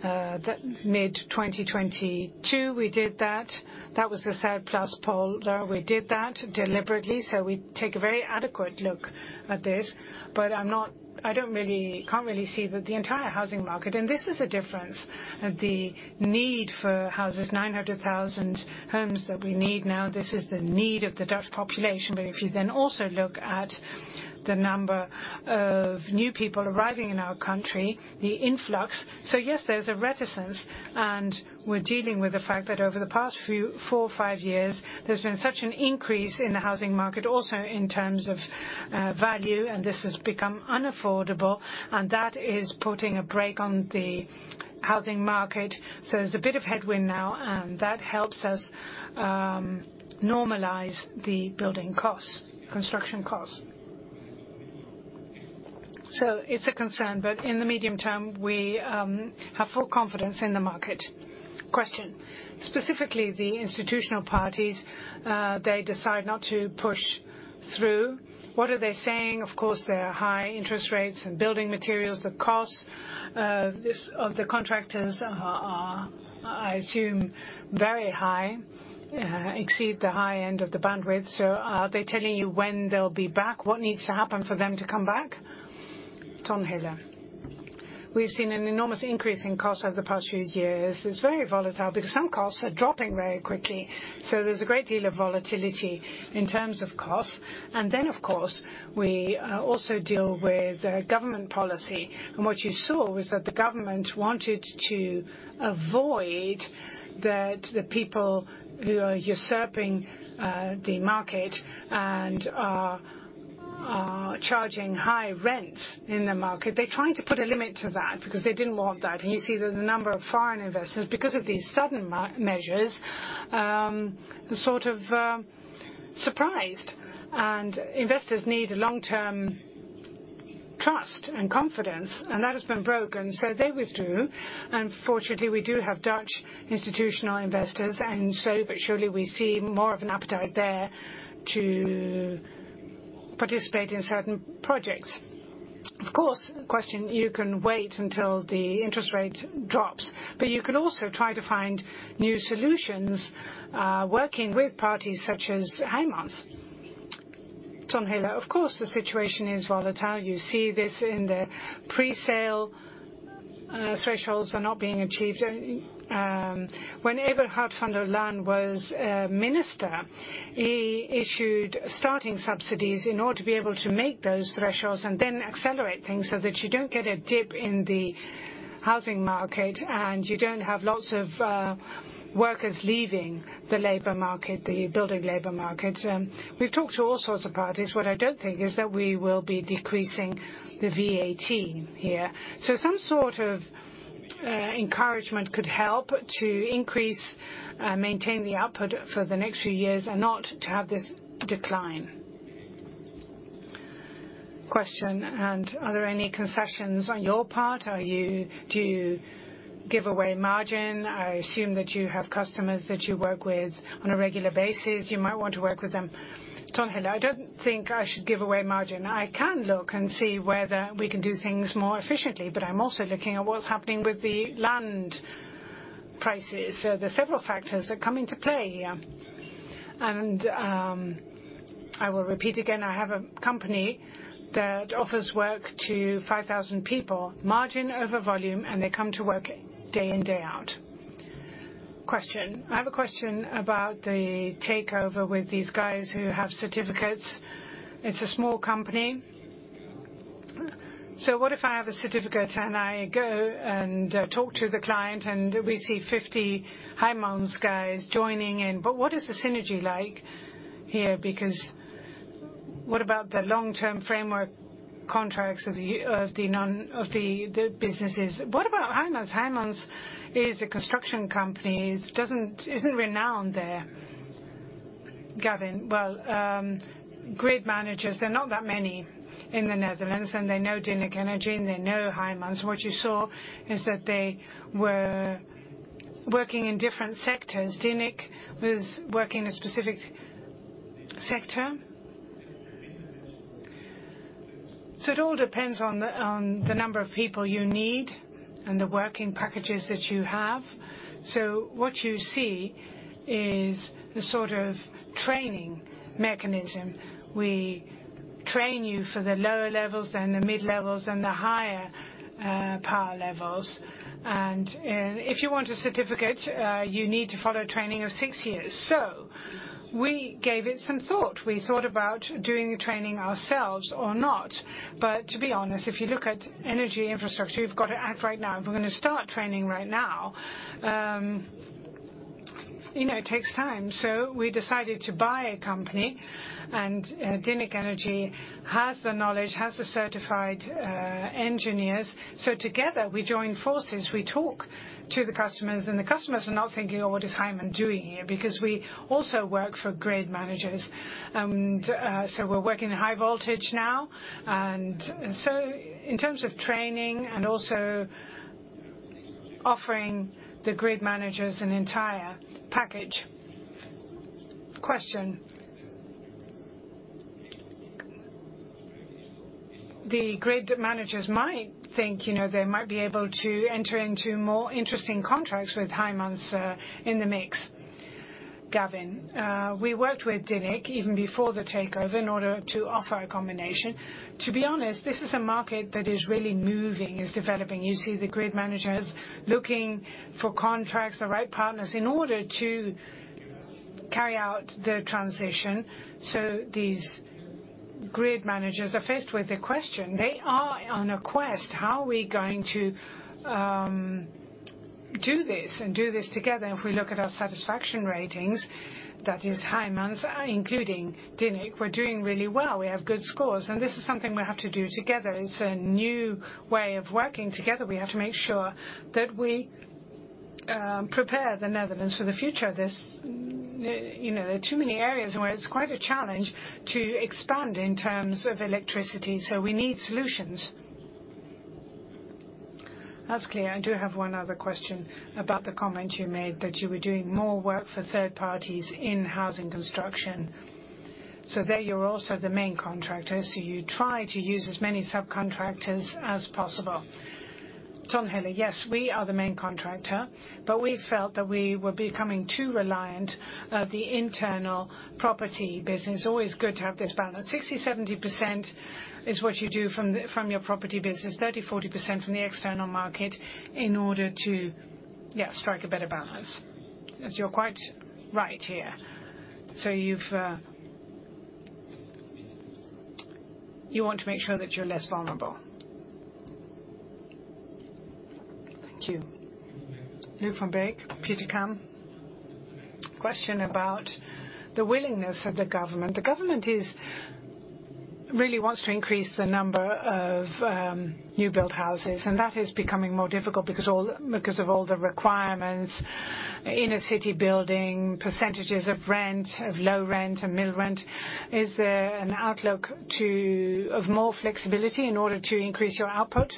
mid-2022, we did that. That was the Zuidplaspolder. We did that deliberately. We take a very adequate look at this. I can't really see that the entire housing market, and this is a difference, the need for houses, 900,000 homes that we need now, this is the need of the Dutch population. If you then also look at the number of new people arriving in our country, the influx. Yes, there's a reticence, and we're dealing with the fact that over the past few, four or five years, there's been such an increase in the housing market also in terms of value, and this has become unaffordable, and that is putting a brake on the housing market. There's a bit of headwind now, and that helps us normalize the building costs, construction costs. It's a concern, but in the medium term, we have full confidence in the market. Question. Specifically, the institutional parties, they decide not to push through. What are they saying? Of course, there are high interest rates and building materials. The costs of the contractors are, I assume, very high, exceed the high end of the bandwidth. Are they telling you when they'll be back? What needs to happen for them to come back? Ton Hillen. We've seen an enormous increase in costs over the past few years. It's very volatile because some costs are dropping very quickly, so there's a great deal of volatility in terms of cost. Of course, we also deal with government policy. What you saw was that the government wanted to avoid that the people who are usurping the market and are charging high rent in the market, they're trying to put a limit to that because they didn't want that. You see the number of foreign investors, because of these sudden measures, sort of surprised. Investors need long-term trust and confidence, and that has been broken, so they withdrew. Fortunately, we do have Dutch institutional investors, and slowly but surely, we see more of an appetite there to participate in certain projects. Of course, question, you can wait until the interest rate drops, but you can also try to find new solutions, working with parties such as Heijmans. Ton Hillen. Of course, the situation is volatile. You see this in the presale, thresholds are not being achieved. When Eberhard van der Laan was minister, he issued starting subsidies in order to be able to make those thresholds and then accelerate things so that you don't get a dip in the housing market, and you don't have lots of workers leaving the labor market, the building labor market. We've talked to all sorts of parties. What I don't think is that we will be decreasing the VAT here. Some sort of encouragement could help to increase and maintain the output for the next few years and not to have this decline. Question. Are there any concessions on your part? Do you give away margin? I assume that you have customers that you work with on a regular basis. You might want to work with them. Ton Hillen. I don't think I should give away margin. I can look and see whether we can do things more efficiently, I'm also looking at what's happening with the land prices. There are several factors that come into play here. I will repeat again, I have a company that offers work to 5,000 people, margin over volume, and they come to work day in, day out. Question. I have a question about the takeover with these guys who have certificates. It's a small company. What if I have a certificate and I go and talk to the client, and we see 50 Heijmans guys joining in? What is the synergy like here? What about the long-term framework contracts of the businesses? What about Heijmans? Heijmans is a construction company. It isn't renowned there. Gavin. Grid managers, they're not that many in the Netherlands, and they know Dynniq Energy, and they know Heijmans. What you saw is that they were working in different sectors. Dynniq was working a specific sector. It all depends on the number of people you need and the working packages that you have. What you see is the sort of training mechanism. We train you for the lower levels and the mid-levels and the higher power levels. If you want a certificate, you need to follow training of six years. We gave it some thought. We thought about doing the training ourselves or not. To be honest, if you look at energy infrastructure, you've got to act right now. If we're gonna start training right now, you know, it takes time. We decided to buy a company, and Dynniq Energy has the knowledge, has the certified engineers. Together, we join forces, we talk to the customers, and the customers are not thinking, "Oh, what is Heijmans doing here?" Because we also work for grid managers. So we're working in high voltage now. So in terms of training and also offering the grid managers an entire package. Question. The grid managers might think, you know, they might be able to enter into more interesting contracts with Heijmans in the mix. Gavin. We worked with Dynniq even before the takeover in order to offer a combination. To be honest, this is a market that is really moving, it's developing. You see the grid managers looking for contracts, the right partners in order to carry out the transition. These grid managers are faced with a question. They are on a quest, "How are we going to do this and do this together?" If we look at our satisfaction ratings, that is Heijmans, including Dynniq, we're doing really well. We have good scores, and this is something we have to do together. It's a new way of working together. We have to make sure that we prepare the Netherlands for the future of this. You know, there are too many areas where it's quite a challenge to expand in terms of electricity, so we need solutions. That's clear. I do have one other question about the comment you made that you were doing more work for third parties in housing construction. There you're also the main contractor, so you try to use as many subcontractors as possible. Ton Hillen, yes, we are the main contractor, but we felt that we were becoming too reliant of the internal property business. Always good to have this balance. 60%-70% is what you do from your property business, 30%-40% from the external market in order to, yeah, strike a better balance. As you're quite right here. You want to make sure that you're less vulnerable. Thank you. Luuk van Beek, Degroof Petercam. Question about the willingness of the government. The government really wants to increase the number of new build houses, and that is becoming more difficult because of all the requirements, inner city building, percentages of rent, of low rent and middle rent. Is there an outlook of more flexibility in order to increase your output?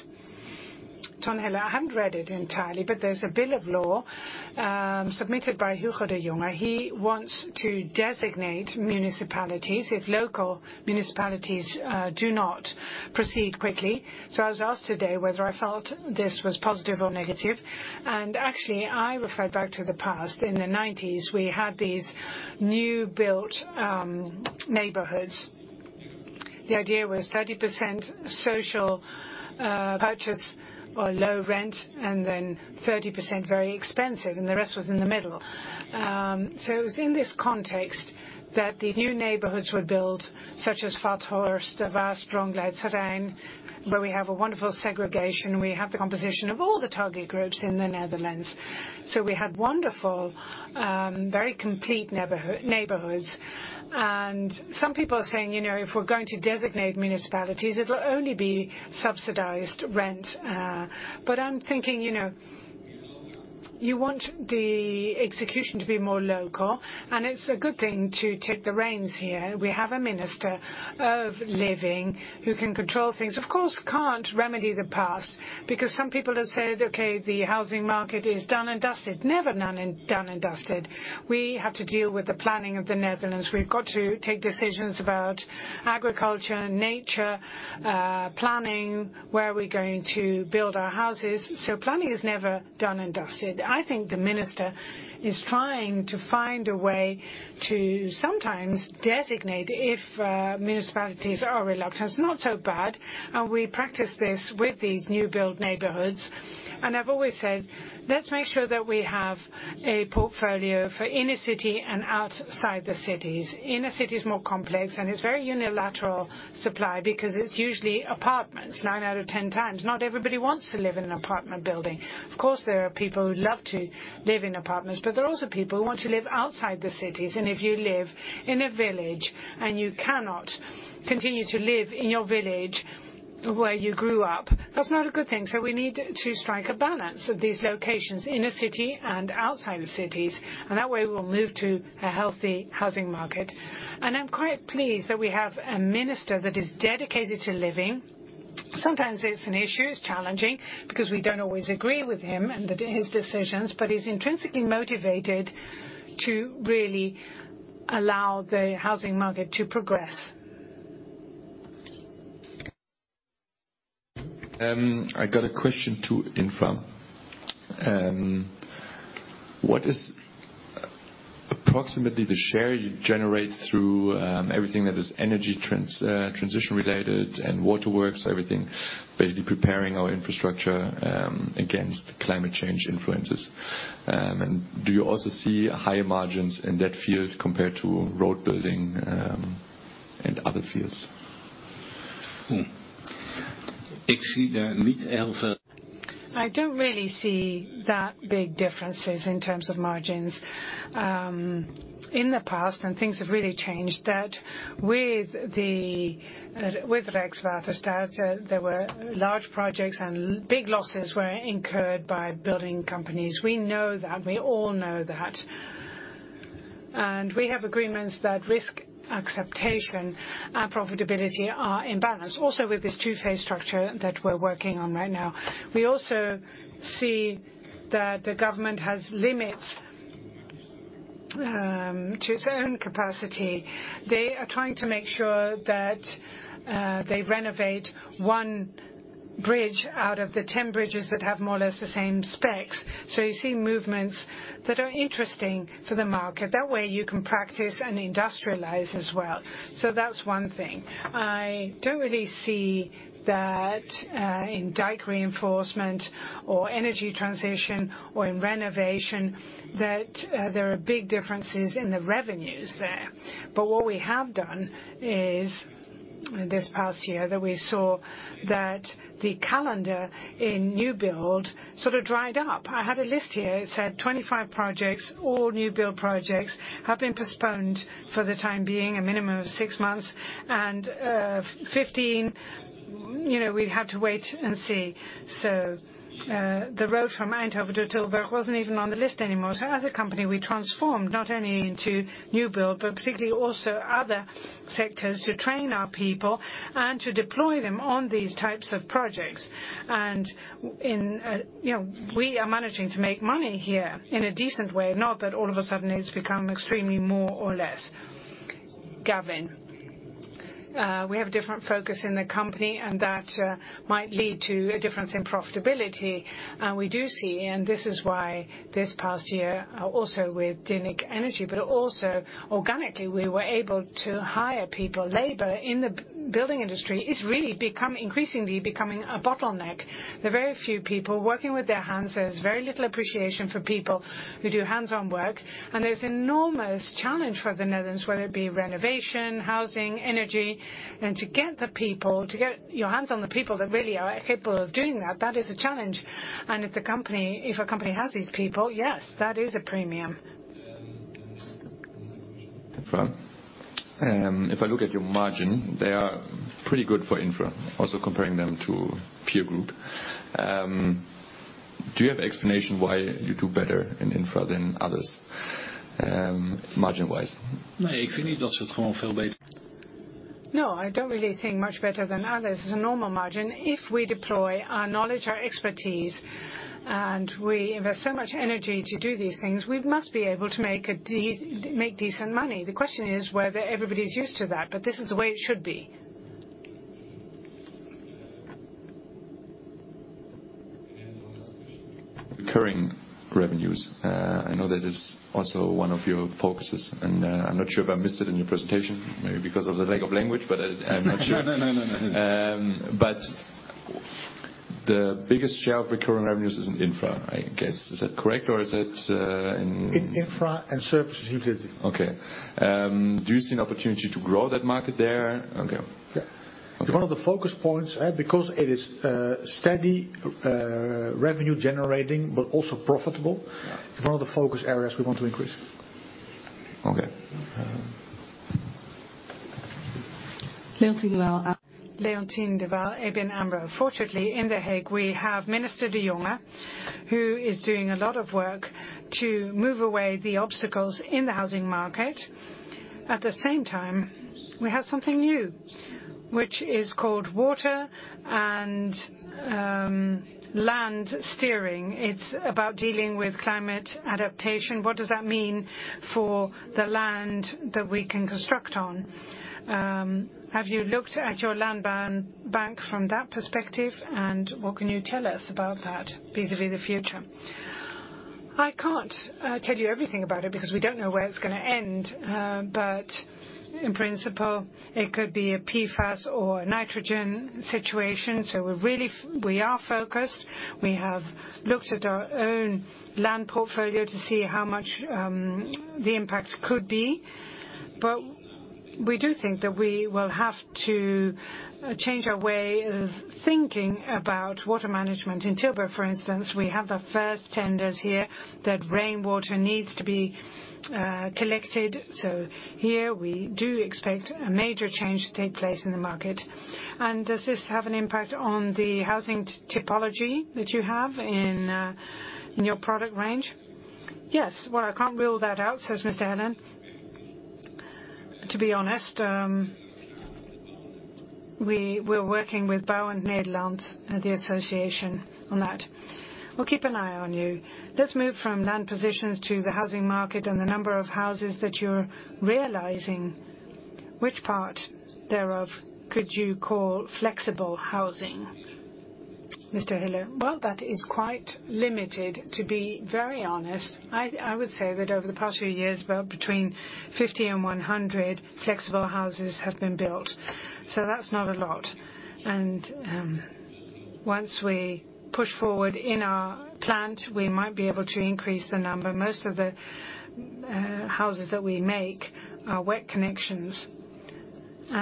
Ton Hillen. I haven't read it entirely, there's a bill of law, submitted by Hugo de Jonge. He wants to designate municipalities if local municipalities do not proceed quickly. I was asked today whether I felt this was positive or negative. Actually, I referred back to the past. In the nineties, we had these new built neighborhoods. The idea was 30% social purchase or low rent, and then 30% very expensive, and the rest was in the middle. It was in this context that these new neighborhoods were built, such as Vathorst, De Vaart, [inudible], Terheijden, where we have a wonderful segregation. We have the composition of all the target groups in the Netherlands. We had wonderful, very complete neighborhoods. Some people are saying, you know, if we're going to designate municipalities, it'll only be subsidized rent. I'm thinking, you know, you want the execution to be more local, and it's a good thing to take the reins here. We have a Minister of living who can control things. Of course, can't remedy the past because some people have said, "Okay, the housing market is done and dusted." Never none and done and dusted. We have to deal with the planning of the Netherlands. We've got to take decisions about agriculture, nature, planning, where are we going to build our houses. Planning is never done and dusted. I think the Minister is trying to find a way to sometimes designate if municipalities are reluctant. It's not so bad, and we practice this with these new build neighborhoods. I've always said, let's make sure that we have a portfolio for inner city and outside the cities. Inner city is more complex. It's very unilateral supply because it's usually apartments 9 out of 10 times. Not everybody wants to live in an apartment building. Of course, there are people who love to live in apartments, but there are also people who want to live outside the cities. If you live in a village and you cannot continue to live in your village where you grew up, that's not a good thing. We need to strike a balance at these locations, inner city and outside the cities. That way, we'll move to a healthy housing market. I'm quite pleased that we have a minister that is dedicated to living. Sometimes it's an issue, it's challenging, because we don't always agree with him and his decisions, but he's intrinsically motivated to really allow the housing market to progress. I got a question to Infra. What is approximately the share you generate through everything that is energy transition related and water works, everything, basically preparing our infrastructure against climate change influences? Do you also see higher margins in that field compared to road building and other fields? I don't really see that big differences in terms of margins, in the past, and things have really changed that with Rijkswaterstaat, there were large projects and big losses were incurred by building companies. We know that. We all know that. We have agreements that risk acceptance and profitability are in balance, also with this two-phase structure that we're working on right now. We also see that the government has limits to its own capacity. They are trying to make sure that they renovate one bridge out of the 10 bridges that have more or less the same specs. You see movements that are interesting for the market. That way, you can practice and industrialize as well. That's one thing. I don't really see that in dike reinforcement or energy transition or in renovation, that there are big differences in the revenues there. What we have done is, this past year, that we saw that the calendar in new build sort of dried up. I had a list here. It said 25 projects, all new build projects, have been postponed for the time being, a minimum of six months. You know, we'd have to wait and see. The road from Eindhoven to Tilburg wasn't even on the list anymore. As a company, we transformed not only into new build, but particularly also other sectors to train our people and to deploy them on these types of projects. you know, we are managing to make money here in a decent way, not that all of a sudden it's become extremely more or less. Gavin? We have different focus in the company, and that might lead to a difference in profitability. We do see, and this is why this past year, also with Dynniq Energy, but also organically, we were able to hire people. Labor in the building industry is really increasingly becoming a bottleneck. There are very few people working with their hands. There's very little appreciation for people who do hands-on work, and there's enormous challenge for the Netherlands, whether it be renovation, housing, energy. To get the people, to get your hands on the people that really are capable of doing that is a challenge. If a company has these people, yes, that is a premium. If I look at your margin, they are pretty good for infra, also comparing them to peer group. Do you have explanation why you do better in infra than others, margin-wise? No, I don't really think much better than others. It's a normal margin. If we deploy our knowledge, our expertise, and we invest so much energy to do these things, we must be able to make decent money. The question is whether everybody's used to that, but this is the way it should be. Recurring revenues. I know that is also one of your focuses, and I'm not sure if I missed it in your presentation, maybe because of the lack of language, but I'm not sure. The biggest share of recurring revenues is in infra, I guess. Is that correct? Or is it, in- In infra and services utility. Okay. Do you see an opportunity to grow that market there? Yes. Okay. Yeah. Okay. It's one of the focus points, because it is steady revenue generating, but also profitable. Yeah. It's one of the focus areas we want to increase. Okay. Leontien de Waal. Leontien de Waal, ABN AMRO. Fortunately, in The Hague we have Minister De Jonge, who is doing a lot of work to move away the obstacles in the housing market. At the same time, we have something new, which is called water and land steering. It's about dealing with climate adaptation. What does that mean for the land that we can construct on? Have you looked at your land bank from that perspective, and what can you tell us about that vis-à-vis the future? I can't tell you everything about it, because we don't know where it's gonna end. But in principle, it could be a PFAS or a nitrogen situation, so we are focused. We have looked at our own land portfolio to see how much the impact could be. We do think that we will have to change our way of thinking about water management. In Tilburg, for instance, we have the first tenders here that rainwater needs to be collected. Here we do expect a major change to take place in the market. Does this have an impact on the housing typology that you have in your product range? Yes. I can't rule that out, says Mr. Hillen. To be honest, we're working with Bouwend Nederland, the association on that. We'll keep an eye on you. Let's move from land positions to the housing market and the number of houses that you're realizing. Which part thereof could you call flexible housing, Mr. Hillen? That is quite limited, to be very honest. I would say that over the past few years, about between 50 and 100 flexible houses have been built, so that's not a lot. Once we push forward in our plant, we might be able to increase the number. Most of the houses that we make are wet connections.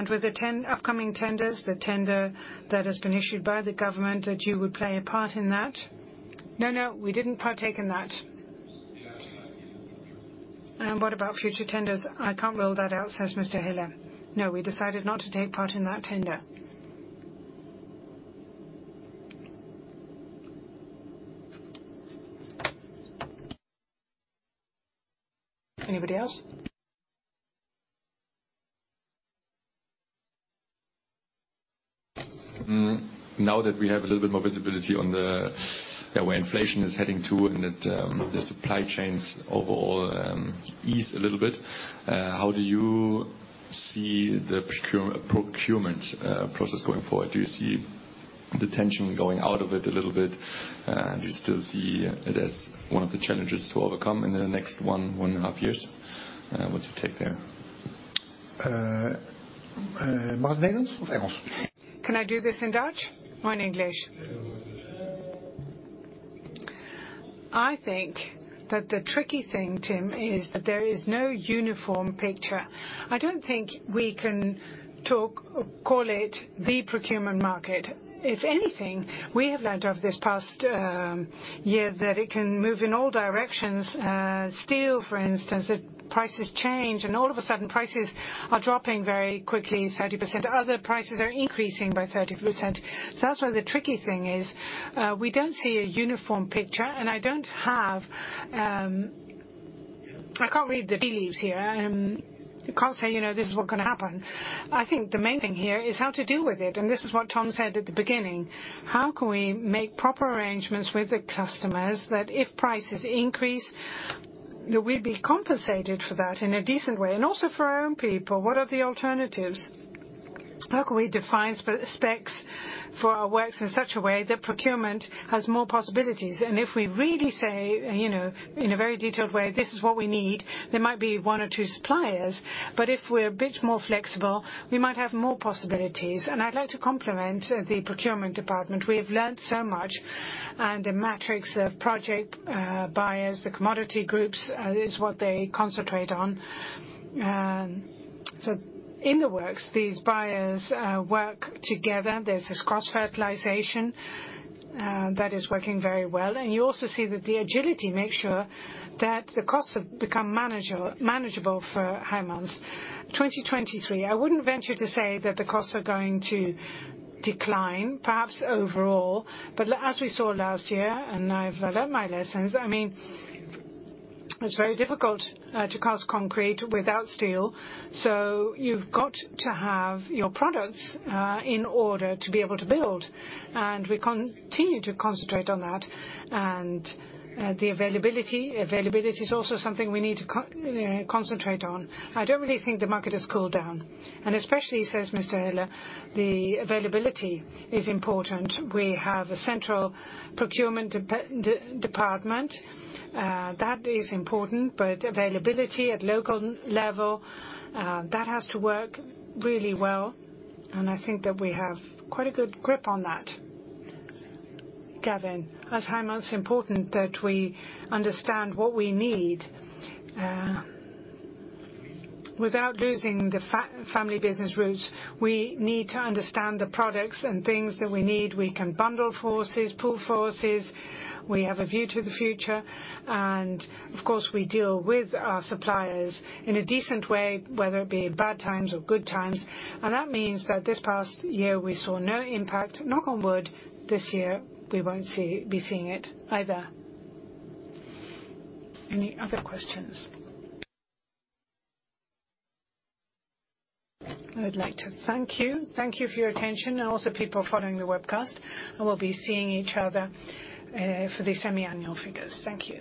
With the 10 upcoming tenders, the tender that has been issued by the government, that you would play a part in that? No, we didn't partake in that. What about future tenders? I can't rule that out, says Mr. Hillen. No, we decided not to take part in that tender. Anybody else? Now that we have a little bit more visibility on the where inflation is heading to and that the supply chains overall ease a little bit, how do you see the procurement process going forward? Do you see the tension going out of it a little bit? Do you still see it as one of the challenges to overcome in the next one and a half years? What's your take there? Uh, uh, Can I do this in Dutch or in English? English. I think that the tricky thing, Tim, is that there is no uniform picture. I don't think we can talk or call it the procurement market. Anything, we have learnt over this past year that it can move in all directions. Steel, for instance, the prices change, and all of a sudden prices are dropping very quickly 30%. Other prices are increasing by 30%. That's why the tricky thing is, we don't see a uniform picture, and I don't have I can't read the tea leaves here. You can't say, you know, this is what gonna happen. I think the main thing here is how to deal with it, and this is what Ton said at the beginning. How can we make proper arrangements with the customers that if prices increase, that we be compensated for that in a decent way? Also for our own people, what are the alternatives? How can we define specs for our works in such a way that procurement has more possibilities? If we really say, you know, in a very detailed way, this is what we need, there might be one or two suppliers. If we're a bit more flexible, we might have more possibilities. I'd like to compliment the procurement department. We have learned so much and the metrics of project buyers, the commodity groups, this is what they concentrate on. So in the works, these buyers work together. There's this cross-fertilization that is working very well. You also see that the agility makes sure that the costs have become manageable for Heijmans. 2023, I wouldn't venture to say that the costs are going to decline, perhaps overall. As we saw last year, I've learned my lessons, I mean, it's very difficult to cast concrete without steel, so you've got to have your products in order to be able to build. We continue to concentrate on that. The availability is also something we need to you know, concentrate on. I don't really think the market has cooled down, and especially says Mr. Hillen, the availability is important. We have a central procurement department. That is important, but availability at local level, that has to work really well, and I think that we have quite a good grip on that. Gavin, as Heijmans, it's important that we understand what we need, without losing the family business roots. We need to understand the products and things that we need. We can bundle forces, pool forces. We have a view to the future. Of course, we deal with our suppliers in a decent way, whether it be bad times or good times. That means that this past year we saw no impact. Knock on wood, this year, we won't be seeing it either. Any other questions? I would like to thank you. Thank you for your attention and also people following the webcast. We'll be seeing each other for the semi-annual figures. Thank you.